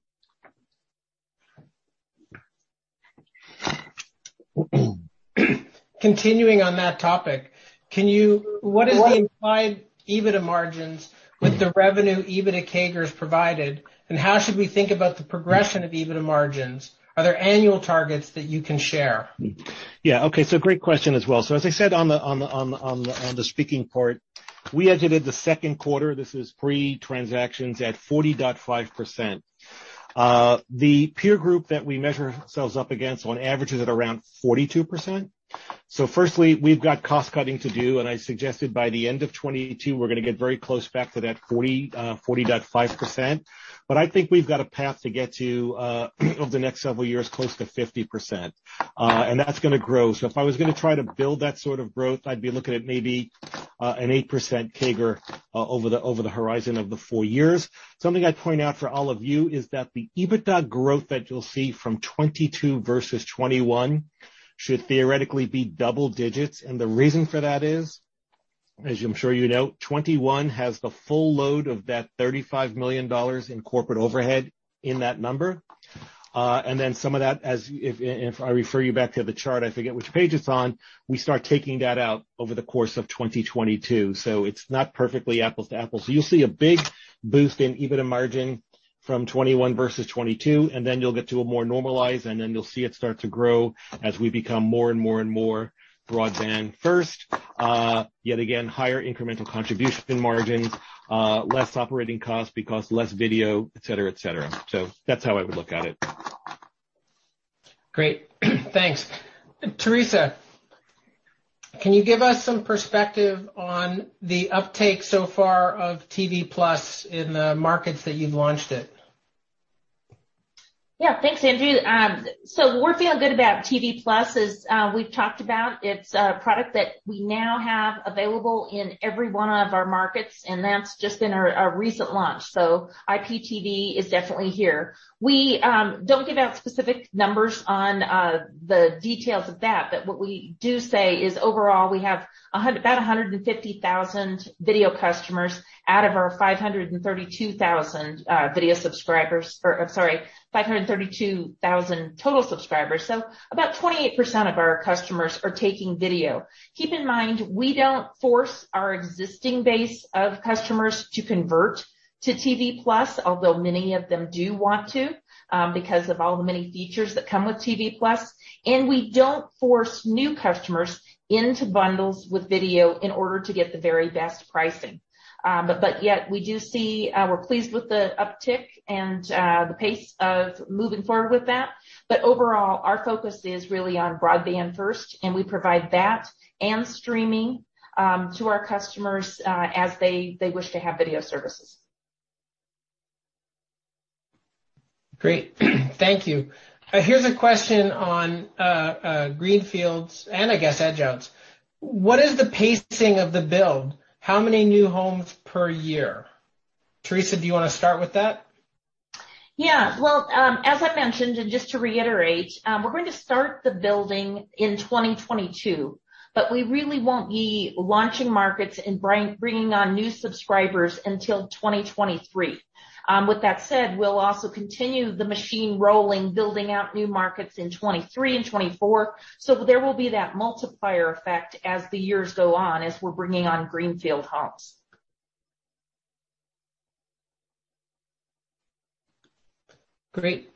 [SPEAKER 1] Continuing on that topic, what is the implied EBITDA margins with the revenue and EBITDA CAGRs provided, and how should we think about the progression of EBITDA margins? Are there annual targets that you can share?
[SPEAKER 6] Okay, great question as well. As I said on the speaking part, we exited the second quarter, this is pre-transactions, at 40.5%. The peer group that we measure ourselves up against on average is at around 42%. Firstly, we've got cost-cutting to do, and I suggested by the end of 2022 we're gonna get very close back to that 40.5%. But I think we've got a path to get to, over the next several years, close to 50%. And that's gonna grow. If I was gonna try to build that sort of growth, I'd be looking at maybe, an 8% CAGR over the horizon of the four years. Something I'd point out for all of you is that the EBITDA growth that you'll see from 2022 versus 2021 should theoretically be double digits, and the reason for that is, as I'm sure you know, 2021 has the full load of that $35 million in corporate overhead in that number. And then some of that, if I refer you back to the chart, I forget which page it's on, we start taking that out over the course of 2022, so it's not perfectly apples to apples. You'll see a big boost in EBITDA margin from 2021 versus 2022, and then you'll get to a more normalized, and then you'll see it start to grow as we become more and more and more broadband first. Yet again, higher incremental contribution margins, less operating costs because less video, et cetera, et cetera. That's how I would look at it.
[SPEAKER 1] Great. Thanks. Teresa, can you give us some perspective on the uptake so far of WOW! tv+ in the markets that you've launched it?
[SPEAKER 2] Yeah. Thanks, Andrew. We're feeling good about tv+ as we've talked about. It's a product that we now have available in every one of our markets, and that's just been a recent launch. IPTV is definitely here. We don't give out specific numbers on the details of that, but what we do say is overall, we have about 150,000 video customers out of our 532,000 video subscribers. Or sorry, 532,000 total subscribers. About 28% of our customers are taking video. Keep in mind, we don't force our existing base of customers to convert to tv+, although many of them do want to because of all the many features that come with tv+. We don't force new customers into bundles with video in order to get the very best pricing. Yet we do see we're pleased with the uptick and the pace of moving forward with that. Overall, our focus is really on broadband first, and we provide that and streaming to our customers as they wish to have video services.
[SPEAKER 1] Great. Thank you. Here's a question on greenfields and I guess edge-outs. What is the pacing of the build? How many new homes per year? Teresa, do you wanna start with that?
[SPEAKER 2] Yeah. Well, as I mentioned, and just to reiterate, we're going to start the building in 2022, but we really won't be launching markets and bringing on new subscribers until 2023. With that said, we'll also continue the machine rolling, building out new markets in 2023 and 2024. There will be that multiplier effect as the years go on, as we're bringing on greenfield homes.
[SPEAKER 1] Great.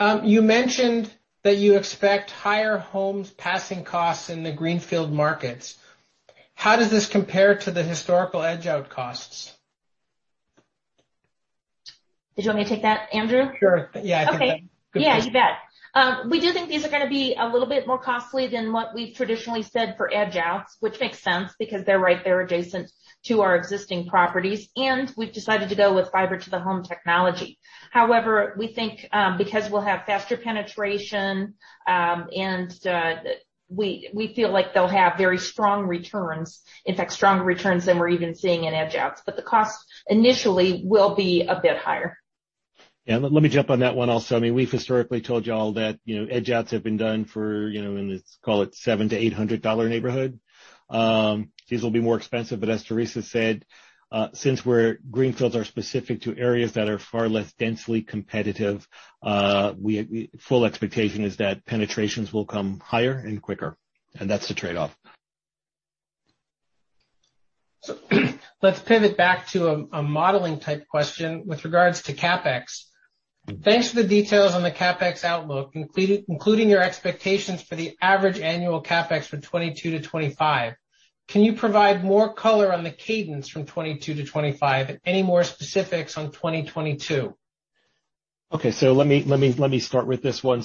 [SPEAKER 1] You mentioned that you expect higher homes passing costs in the greenfield markets. How does this compare to the historical edge-out costs?
[SPEAKER 2] Did you want me to take that, Andrew?
[SPEAKER 1] Sure. Yeah, I think that.
[SPEAKER 2] Okay. Yeah, you bet. We do think these are gonna be a little bit more costly than what we've traditionally said for edge outs, which makes sense because they're right there adjacent to our existing properties, and we've decided to go with fiber to the home technology. However, we think because we'll have faster penetration and we feel like they'll have very strong returns. In fact, stronger returns than we're even seeing in edge outs. The cost initially will be a bit higher.
[SPEAKER 6] Yeah, let me jump on that one also. I mean, we've historically told y'all that, you know, edge outs have been done for, you know, in the, call it $700-$800 neighborhood. These will be more expensive, but as Teresa said, since greenfields are specific to areas that are far less densely competitive, full expectation is that penetrations will come higher and quicker, and that's the trade-off.
[SPEAKER 1] Let's pivot back to a modeling type question with regards to CapEx. Thanks for the details on the CapEx outlook, including your expectations for the average annual CapEx for 2022 to 2025. Can you provide more color on the cadence from 2022 to 2025? Any more specifics on 2022?
[SPEAKER 6] Okay. Let me start with this one.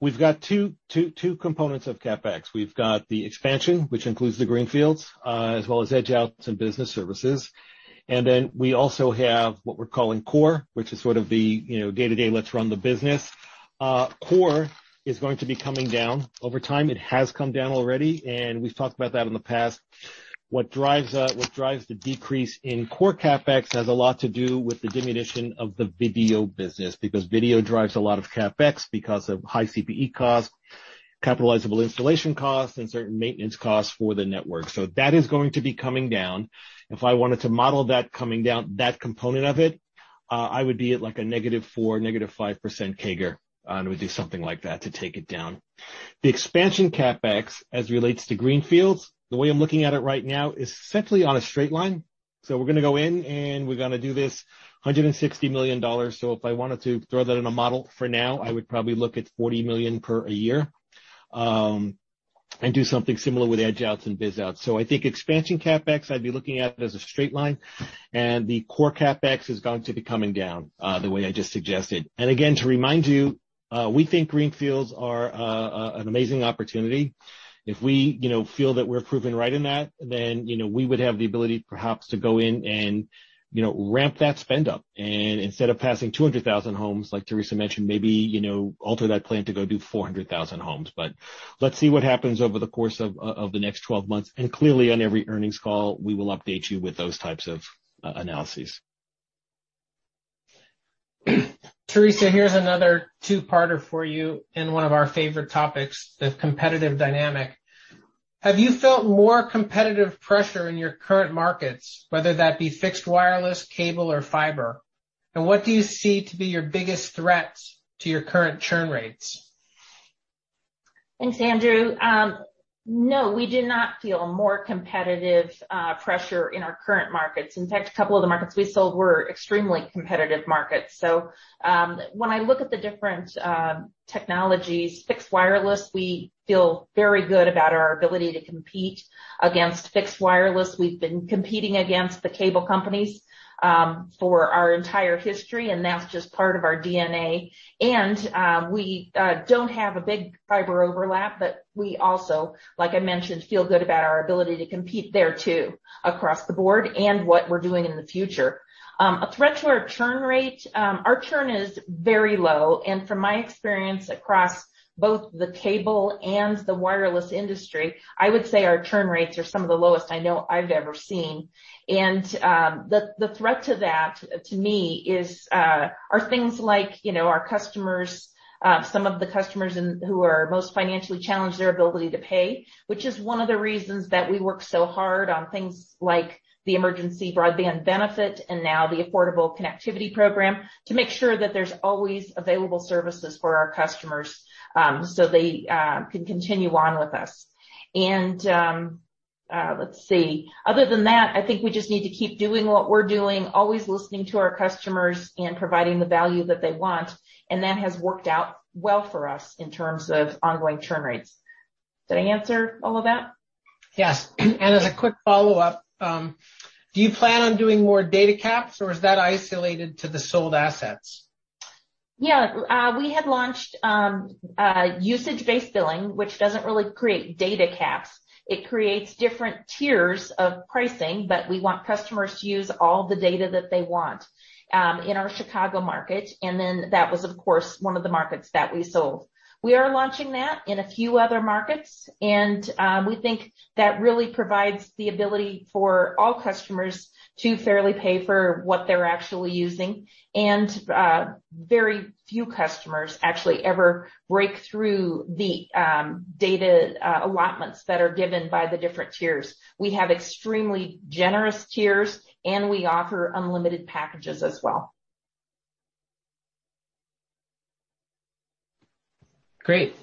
[SPEAKER 6] We've got two components of CapEx. We've got the expansion, which includes the greenfields, as well as edge outs and business services. We also have what we're calling core, which is sort of the, you know, day-to-day, let's run the business. Core is going to be coming down. Over time, it has come down already, and we've talked about that in the past. What drives the decrease in core CapEx has a lot to do with the diminution of the video business. Because video drives a lot of CapEx because of high CPE costs, capitalizable installation costs, and certain maintenance costs for the network. That is going to be coming down. If I wanted to model that coming down, that component of it, I would be at, like, a -4%, -5% CAGR. It would do something like that to take it down. The expansion CapEx, as relates to greenfields, the way I'm looking at it right now is essentially on a straight line. We're gonna go in, and we're gonna do this $160 million. If I wanted to throw that in a model for now, I would probably look at $40 million per year, and do something similar with edge outs and biz outs. I think expansion CapEx, I'd be looking at it as a straight line, and the core CapEx is going to be coming down, the way I just suggested. Again, to remind you, we think greenfields are an amazing opportunity. If we, you know, feel that we're proven right in that, then, you know, we would have the ability perhaps to go in and, you know, ramp that spend up. Instead of passing 200,000 homes, like Teresa mentioned, maybe, you know, alter that plan to go do 400,000 homes. Let's see what happens over the course of the next 12 months. Clearly, on every earnings call, we will update you with those types of analyses.
[SPEAKER 1] Teresa, here's another two-parter for you in one of our favorite topics, the competitive dynamic. Have you felt more competitive pressure in your current markets, whether that be fixed wireless, cable or fiber? And what do you see to be your biggest threats to your current churn rates?
[SPEAKER 2] Thanks, Andrew. No, we did not feel more competitive pressure in our current markets. In fact, a couple of the markets we sold were extremely competitive markets. When I look at the different technologies, fixed wireless, we feel very good about our ability to compete against fixed wireless. We've been competing against the cable companies for our entire history, and that's just part of our DNA. We don't have a big fiber overlap, but we also, like I mentioned, feel good about our ability to compete there too across the board and what we're doing in the future. A threat to our churn rate, our churn is very low. From my experience across both the cable and the wireless industry, I would say our churn rates are some of the lowest I know I've ever seen. The threat to that, to me is are things like, you know, our customers, some of the customers who are most financially challenged, their ability to pay. Which is one of the reasons that we work so hard on things like the Emergency Broadband Benefit and now the Affordable Connectivity Program, to make sure that there's always available services for our customers, so they can continue on with us. Let's see. Other than that, I think we just need to keep doing what we're doing, always listening to our customers and providing the value that they want. That has worked out well for us in terms of ongoing churn rates. Did I answer all of that?
[SPEAKER 1] Yes. As a quick follow-up, do you plan on doing more data caps or is that isolated to the sold assets?
[SPEAKER 2] Yeah. We have launched usage-based billing, which doesn't really create data caps. It creates different tiers of pricing. We want customers to use all the data that they want in our Chicago market, and then that was, of course, one of the markets that we sold. We are launching that in a few other markets, and we think that really provides the ability for all customers to fairly pay for what they're actually using. Very few customers actually ever break through the data allotments that are given by the different tiers. We have extremely generous tiers, and we offer unlimited packages as well.
[SPEAKER 1] Great.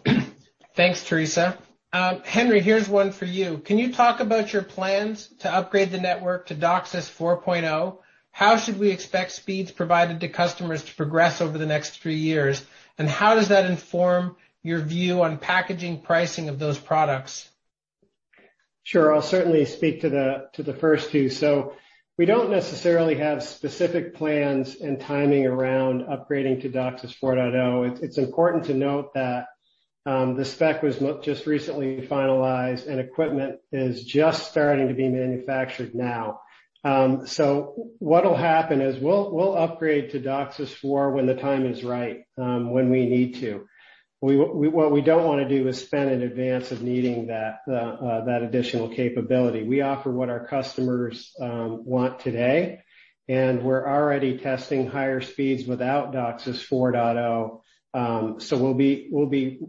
[SPEAKER 1] Thanks, Teresa. Henry, here's one for you. Can you talk about your plans to upgrade the network to DOCSIS 4.0? How should we expect speeds provided to customers to progress over the next three years? How does that inform your view on packaging pricing of those products?
[SPEAKER 5] Sure. I'll certainly speak to the first two. We don't necessarily have specific plans and timing around upgrading to DOCSIS 4.0. It's important to note that the spec was just recently finalized, and equipment is just starting to be manufactured now. What'll happen is we'll upgrade to DOCSIS 4.0 when the time is right, when we need to. What we don't wanna do is spend in advance of needing that additional capability. We offer what our customers want today, and we're already testing higher speeds without DOCSIS 4.0. We'll be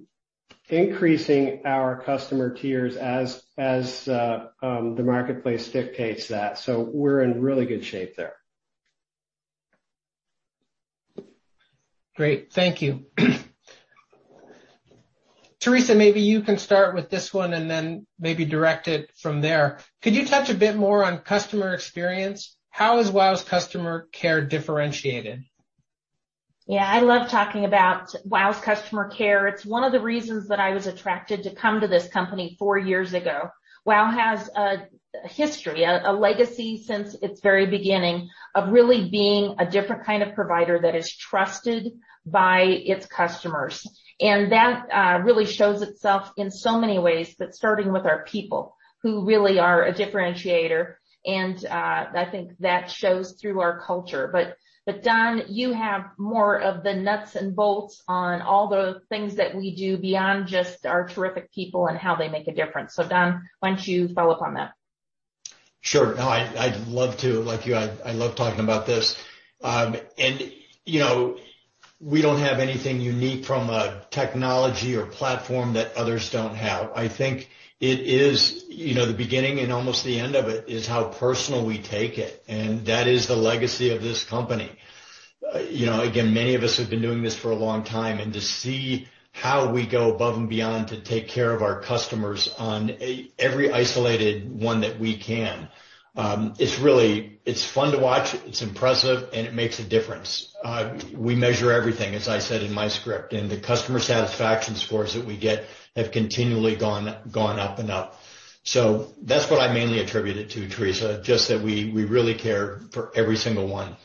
[SPEAKER 5] increasing our customer tiers as the marketplace dictates that. We're in really good shape there.
[SPEAKER 1] Great. Thank you. Teresa, maybe you can start with this one and then maybe direct it from there. Could you touch a bit more on customer experience? How is WOW!'s customer care differentiated?
[SPEAKER 2] Yeah. I love talking about WOW!'s customer care. It's one of the reasons that I was attracted to come to this company four years ago. WOW! has a history, a legacy since its very beginning of really being a different kind of provider that is trusted by its customers. That really shows itself in so many ways, but starting with our people, who really are a differentiator, and I think that shows through our culture. But Don, you have more of the nuts and bolts on all the things that we do beyond just our terrific people and how they make a difference. Don, why don't you follow up on that?
[SPEAKER 4] Sure. No, I'd love to. Like you, I love talking about this. You know, we don't have anything unique from a technology or platform that others don't have. I think it is, you know, the beginning and almost the end of it is how personal we take it, and that is the legacy of this company. You know, again, many of us have been doing this for a long time, and to see how we go above and beyond to take care of our customers on every isolated one that we can, it's really fun to watch, it's impressive, and it makes a difference. We measure everything, as I said in my script, and the customer satisfaction scores that we get have continually gone up and up. That's what I mainly attribute it to, Teresa, just that we really care for every single one.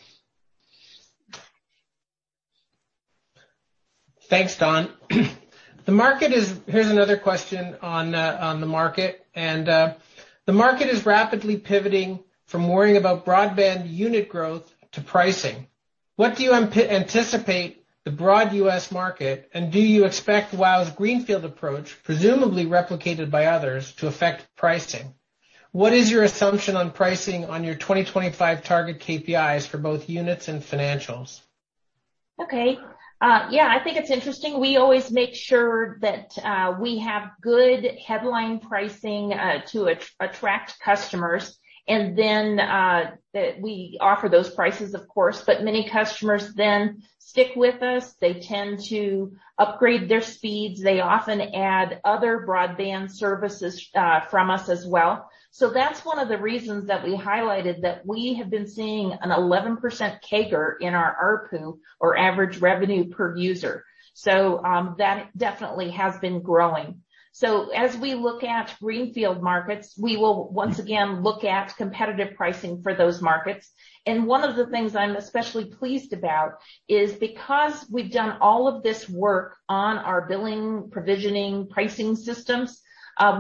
[SPEAKER 1] Thanks, Don. Here's another question on the market, and the market is rapidly pivoting from worrying about broadband unit growth to pricing. What do you anticipate the broad U.S. market, and do you expect WOW!'s greenfield approach, presumably replicated by others, to affect pricing? What is your assumption on pricing on your 2025 target KPIs for both units and financials?
[SPEAKER 2] Okay. Yeah. I think it's interesting. We always make sure that we have good headline pricing to attract customers, and then that we offer those prices, of course. Many customers then stick with us. They tend to upgrade their speeds. They often add other broadband services from us as well. That's one of the reasons that we highlighted that we have been seeing an 11% CAGR in our ARPU or average revenue per user. That definitely has been growing. As we look at greenfield markets, we will once again look at competitive pricing for those markets. One of the things I'm especially pleased about is because we've done all of this work on our billing, provisioning, pricing systems,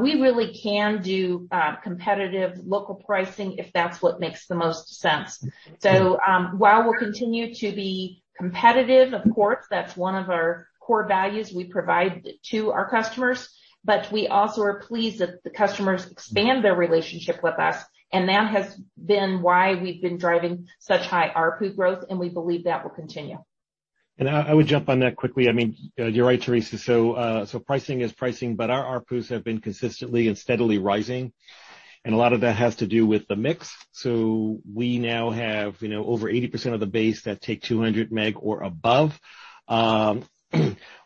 [SPEAKER 2] we really can do competitive local pricing if that's what makes the most sense. While we'll continue to be competitive, of course, that's one of our core values we provide to our customers, but we also are pleased that the customers expand their relationship with us, and that has been why we've been driving such high ARPU growth, and we believe that will continue.
[SPEAKER 6] I would jump on that quickly. I mean, you're right, Teresa. Pricing is pricing, but our ARPUs have been consistently and steadily rising, and a lot of that has to do with the mix. We now have, you know, over 80% of the base that take 200 meg or above.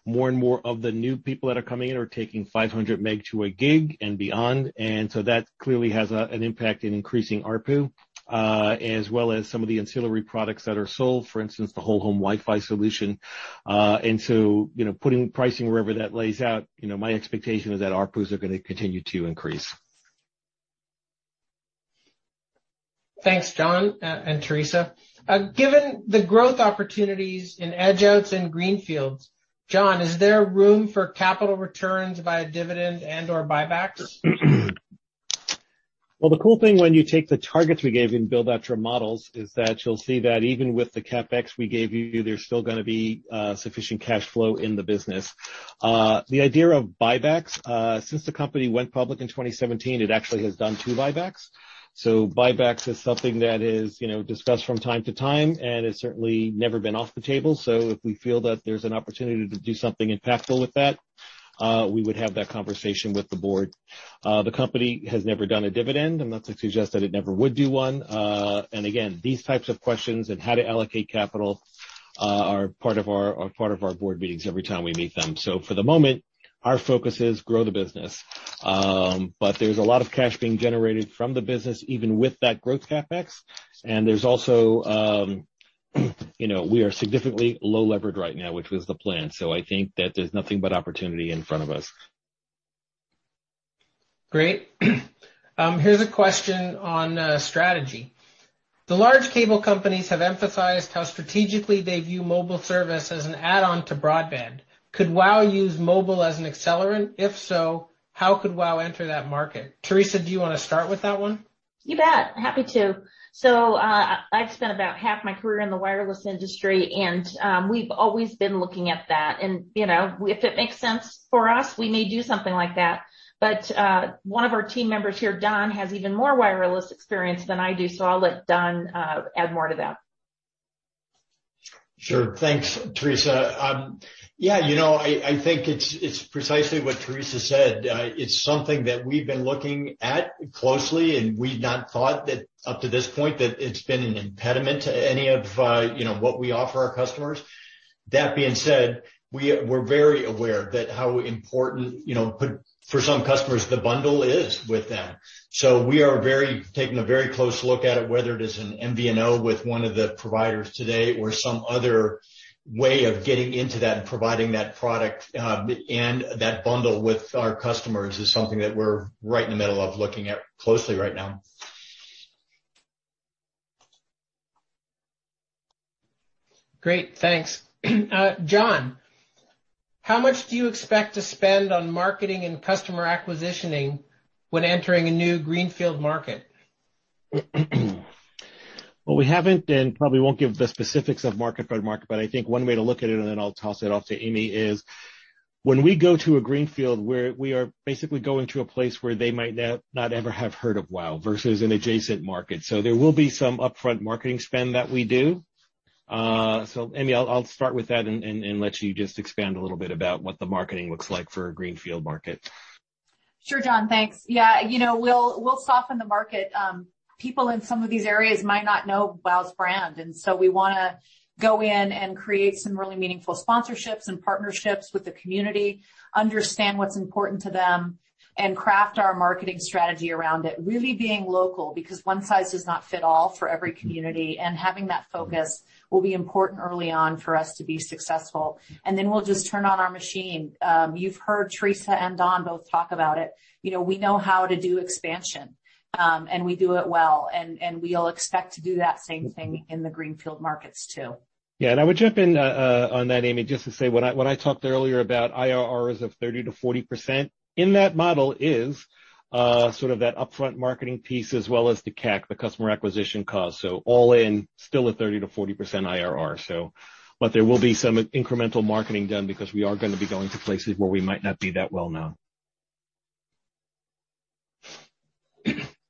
[SPEAKER 6] More and more of the new people that are coming in are taking 500 meg to a gig and beyond. That clearly has an impact in increasing ARPU, as well as some of the ancillary products that are sold, for instance, the whole home Wi-Fi solution. Putting pricing wherever that lays out, you know, my expectation is that ARPUs are gonna continue to increase.
[SPEAKER 1] Thanks, John, and Teresa. Given the growth opportunities in edge outs and greenfields, John, is there room for capital returns via dividend and/or buybacks?
[SPEAKER 6] Well, the cool thing when you take the targets we gave you and build out your models is that you'll see that even with the CapEx we gave you, there's still gonna be sufficient cash flow in the business. The idea of buybacks, since the company went public in 2017, it actually has done two buybacks. Buybacks is something that is, you know, discussed from time to time, and it's certainly never been off the table. If we feel that there's an opportunity to do something impactful with that, we would have that conversation with the board. The company has never done a dividend, and that's to suggest that it never would do one. And again, these types of questions and how to allocate capital are part of our board meetings every time we meet them. For the moment, our focus is grow the business. There's a lot of cash being generated from the business, even with that growth CapEx. There's also, you know, we are significantly low-levered right now, which was the plan. I think that there's nothing but opportunity in front of us.
[SPEAKER 1] Great. Here's a question on strategy. The large cable companies have emphasized how strategically they view mobile service as an add-on to broadband. Could WOW! use mobile as an accelerant? If so, how could WOW! enter that market? Teresa, do you wanna start with that one?
[SPEAKER 2] You bet. Happy to. I've spent about half my career in the wireless industry, and we've always been looking at that. You know, if it makes sense for us, we may do something like that. One of our team members here, Don, has even more wireless experience than I do, so I'll let Don add more to that.
[SPEAKER 4] Sure. Thanks, Teresa. Yeah, you know, I think it's precisely what Teresa said. It's something that we've been looking at closely, and we've not thought that up to this point that it's been an impediment to any of, you know, what we offer our customers. That being said, we're very aware that how important, you know, for some customers, the bundle is with them. So we are taking a very close look at it, whether it is an MVNO with one of the providers today or some other way of getting into that and providing that product, and that bundle with our customers is something that we're right in the middle of looking at closely right now.
[SPEAKER 1] Great, thanks. John, how much do you expect to spend on marketing and customer acquisition when entering a new greenfield market?
[SPEAKER 6] Well, we haven't and probably won't give the specifics of market by market, but I think one way to look at it, and then I'll toss it off to Amy, is when we go to a greenfield, we are basically going to a place where they might not ever have heard of WOW! versus an adjacent market. There will be some upfront marketing spend that we do. Amy, I'll start with that and let you just expand a little bit about what the marketing looks like for a greenfield market.
[SPEAKER 3] Sure, John. Thanks. Yeah, you know, we'll soften the market. People in some of these areas might not know WOW!'s brand, and so we wanna go in and create some really meaningful sponsorships and partnerships with the community, understand what's important to them, and craft our marketing strategy around it really being local, because one size does not fit all for every community. Having that focus will be important early on for us to be successful. We'll just turn on our machine. You've heard Teresa and Don both talk about it. You know, we know how to do expansion, and we do it well. We'll expect to do that same thing in the greenfield markets too.
[SPEAKER 6] I would jump in on that, Amy, just to say, when I talked earlier about IRRs of 30%-40%, in that model is sort of that upfront marketing piece as well as the CAC, the customer acquisition cost. All in, still a 30%-40% IRR. There will be some incremental marketing done because we are gonna be going to places where we might not be that well known.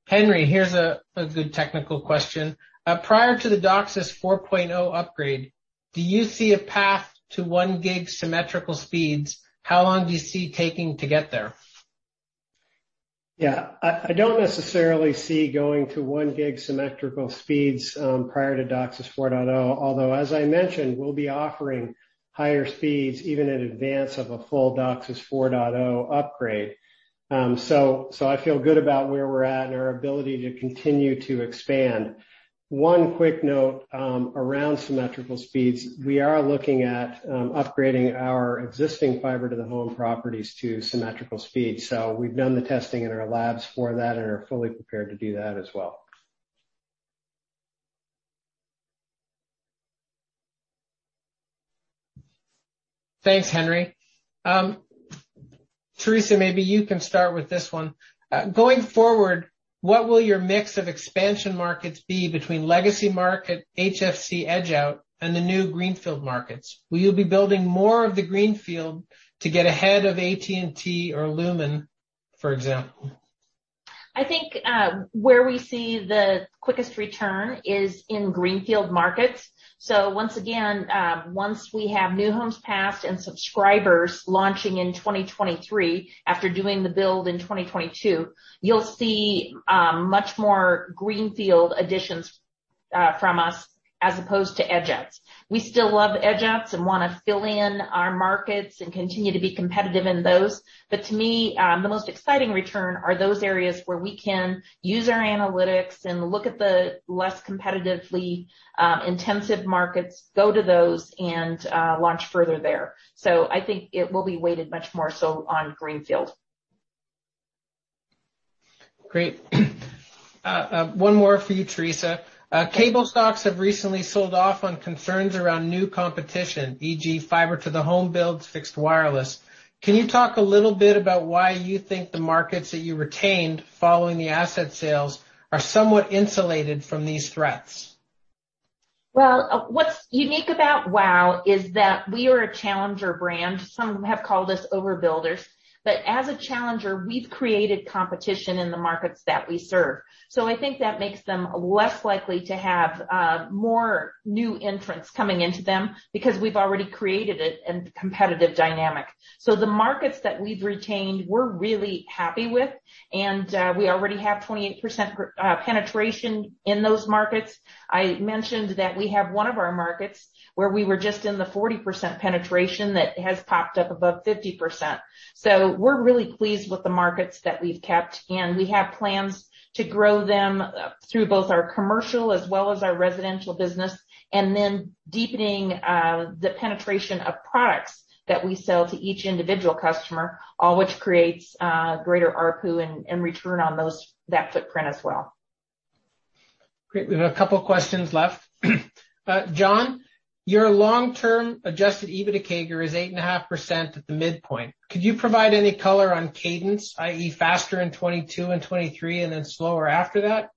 [SPEAKER 1] Henry, here's a good technical question. Prior to the DOCSIS 4.0 upgrade, do you see a path to 1 gig symmetrical speeds? How long do you see taking to get there?
[SPEAKER 5] Yeah. I don't necessarily see going to 1 gig symmetrical speeds prior to DOCSIS 4.0. Although, as I mentioned, we'll be offering higher speeds even in advance of a full DOCSIS 4.0 upgrade. I feel good about where we're at and our ability to continue to expand. One quick note around symmetrical speeds. We are looking at upgrading our existing fiber to the home properties to symmetrical speed. We've done the testing in our labs for that and are fully prepared to do that as well.
[SPEAKER 1] Thanks, Henry. Teresa, maybe you can start with this one. Going forward, what will your mix of expansion markets be between legacy market, HFC edge out, and the new greenfield markets? Will you be building more of the greenfield to get ahead of AT&T or Lumen, for example?
[SPEAKER 2] I think where we see the quickest return is in greenfield markets. Once again, once we have new homes passed and subscribers launching in 2023, after doing the build in 2022, you'll see much more greenfield additions from us as opposed to edge outs. We still love edge outs and wanna fill in our markets and continue to be competitive in those. To me, the most exciting return are those areas where we can use our analytics and look at the less competitively intensive markets, go to those, and launch further there. I think it will be weighted much more so on greenfield.
[SPEAKER 1] Great. One more for you, Teresa. Cable stocks have recently sold off on concerns around new competition, e.g., fiber to the home builds, fixed wireless. Can you talk a little bit about why you think the markets that you retained following the asset sales are somewhat insulated from these threats?
[SPEAKER 2] Well, what's unique about WOW! is that we are a challenger brand. Some have called us overbuilders, but as a challenger, we've created competition in the markets that we serve. I think that makes them less likely to have more new entrants coming into them because we've already created a competitive dynamic. The markets that we've retained, we're really happy with, and we already have 28% penetration in those markets. I mentioned that we have one of our markets where we were just in the 40% penetration that has popped up above 50%. We're really pleased with the markets that we've kept, and we have plans to grow them up through both our commercial as well as our residential business, and then deepening the penetration of products that we sell to each individual customer, all which creates greater ARPU and return on that footprint as well.
[SPEAKER 1] Great. We have a couple questions left. John, your long term adjusted EBITDA CAGR is 8.5% at the midpoint. Could you provide any color on cadence, i.e., faster in 2022 and 2023, and then slower after that?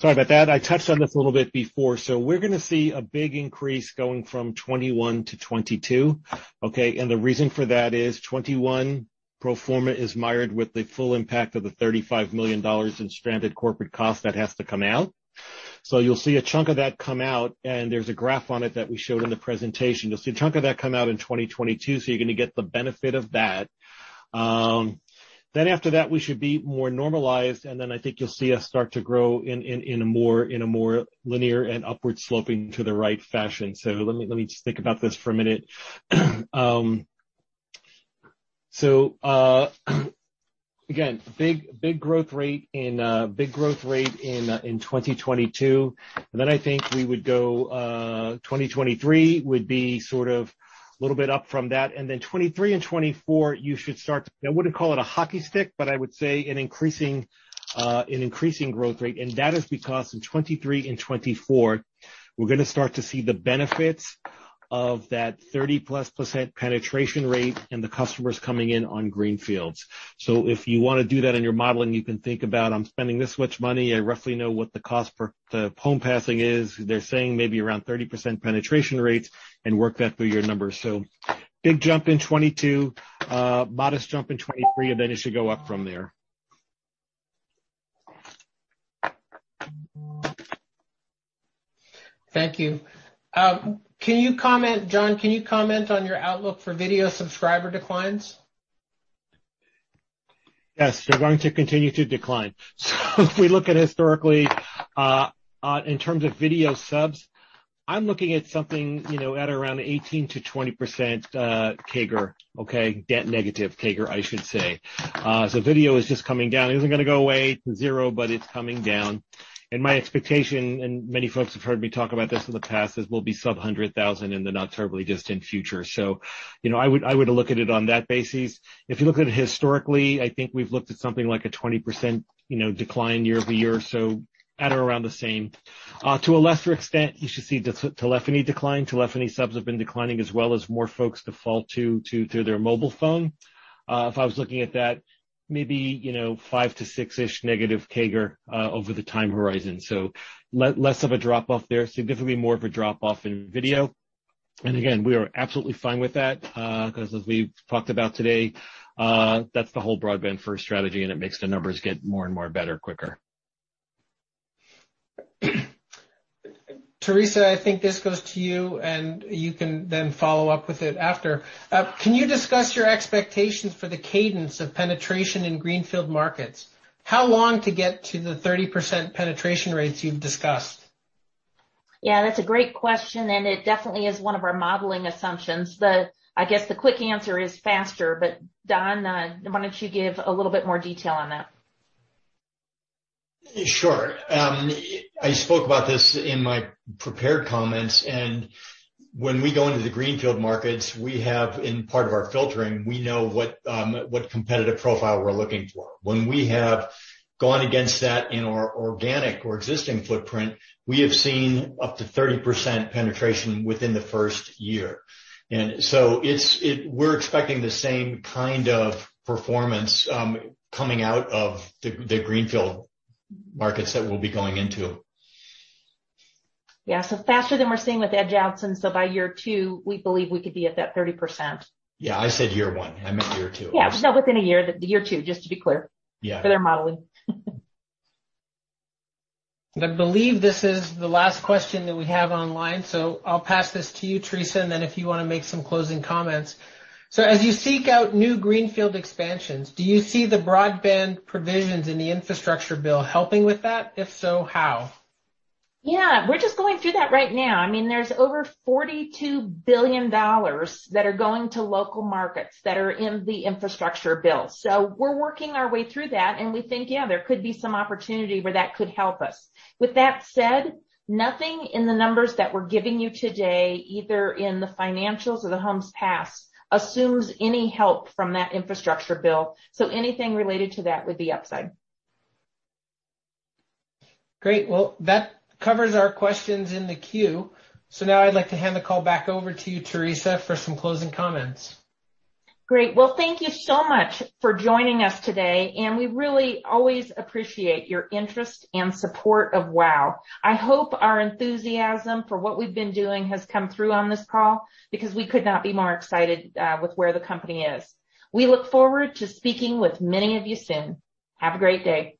[SPEAKER 6] Sorry about that. I touched on this a little bit before. We're gonna see a big increase going from 2021 to 2022. Okay? The reason for that is 2021 pro forma is mired with the full impact of the $35 million in stranded corporate costs that has to come out. You'll see a chunk of that come out, and there's a graph on it that we showed in the presentation. You'll see a chunk of that come out in 2022, so you're gonna get the benefit of that. After that, we should be more normalized, and then I think you'll see us start to grow in a more linear and upward sloping to the right fashion. Let me just think about this for a minute. Again, big growth rate in 2022. I think we would go, 2023 would be sort of a little bit up from that. 2023 and 2024, you should start to. I wouldn't call it a hockey stick, but I would say an increasing growth rate, and that is because in 2023 and 2024, we're gonna start to see the benefits of that 30%+ penetration rate and the customers coming in on greenfields. If you want to do that in your modeling, you can think about, I'm spending this much money. I roughly know what the cost per home passing is. They're saying maybe around 30% penetration rates, and work that through your numbers. Big jump in 2022, modest jump in 2023, and then it should go up from there.
[SPEAKER 1] Thank you. Can you comment, John, on your outlook for video subscriber declines?
[SPEAKER 6] Yes, they're going to continue to decline. If we look at historically in terms of video subs, I'm looking at something, you know, at around 18%-20% CAGR. Okay? Deep negative CAGR, I should say. Video is just coming down. It isn't gonna go away to zero, but it's coming down. My expectation, and many folks have heard me talk about this in the past, is we'll be sub 100,000 in the not terribly distant future. You know, I would look at it on that basis. If you look at it historically, I think we've looked at something like a 20%, you know, decline year-over-year. At or around the same. To a lesser extent, you should see the telephony decline. Telephony subs have been declining, as well as more folks default to through their mobile phone. If I was looking at that, maybe, you know, 5-6-ish negative CAGR over the time horizon. Less of a drop off there. Significantly more of a drop off in video. Again, we are absolutely fine with that, 'cause as we've talked about today, that's the whole broadband first strategy, and it makes the numbers get more and more better quicker.
[SPEAKER 1] Teresa, I think this goes to you, and you can then follow up with it after. Can you discuss your expectations for the cadence of penetration in greenfield markets? How long to get to the 30% penetration rates you've discussed?
[SPEAKER 2] Yeah, that's a great question, and it definitely is one of our modeling assumptions. I guess, the quick answer is faster, but Don, why don't you give a little bit more detail on that?
[SPEAKER 4] Sure. I spoke about this in my prepared comments. When we go into the greenfield markets, we have, in part of our filtering, we know what competitive profile we're looking for. When we have gone against that in our organic or existing footprint, we have seen up to 30% penetration within the first year. We're expecting the same kind of performance coming out of the greenfield markets that we'll be going into.
[SPEAKER 2] Yeah. Faster than we're seeing with edge outs either. By year two, we believe we could be at that 30%.
[SPEAKER 4] Yeah. I said year one. I meant year two.
[SPEAKER 2] Yeah. Within a year. The year two, just to be clear.
[SPEAKER 4] Yeah.
[SPEAKER 2] For their modeling.
[SPEAKER 1] I believe this is the last question that we have online, so I'll pass this to you, Teresa, and then if you want to make some closing comments. As you seek out new greenfield expansions, do you see the broadband provisions in the infrastructure bill helping with that? If so, how?
[SPEAKER 2] Yeah. We're just going through that right now. I mean, there's over $42 billion that are going to local markets that are in the infrastructure bill. We're working our way through that, and we think, yeah, there could be some opportunity where that could help us. With that said, nothing in the numbers that we're giving you today, either in the financials or the homes passed, assumes any help from that infrastructure bill. Anything related to that would be upside.
[SPEAKER 1] Great. Well, that covers our questions in the queue. Now I'd like to hand the call back over to you, Teresa, for some closing comments.
[SPEAKER 2] Great. Well, thank you so much for joining us today, and we really always appreciate your interest and support of WOW!. I hope our enthusiasm for what we've been doing has come through on this call because we could not be more excited with where the company is. We look forward to speaking with many of you soon. Have a great day.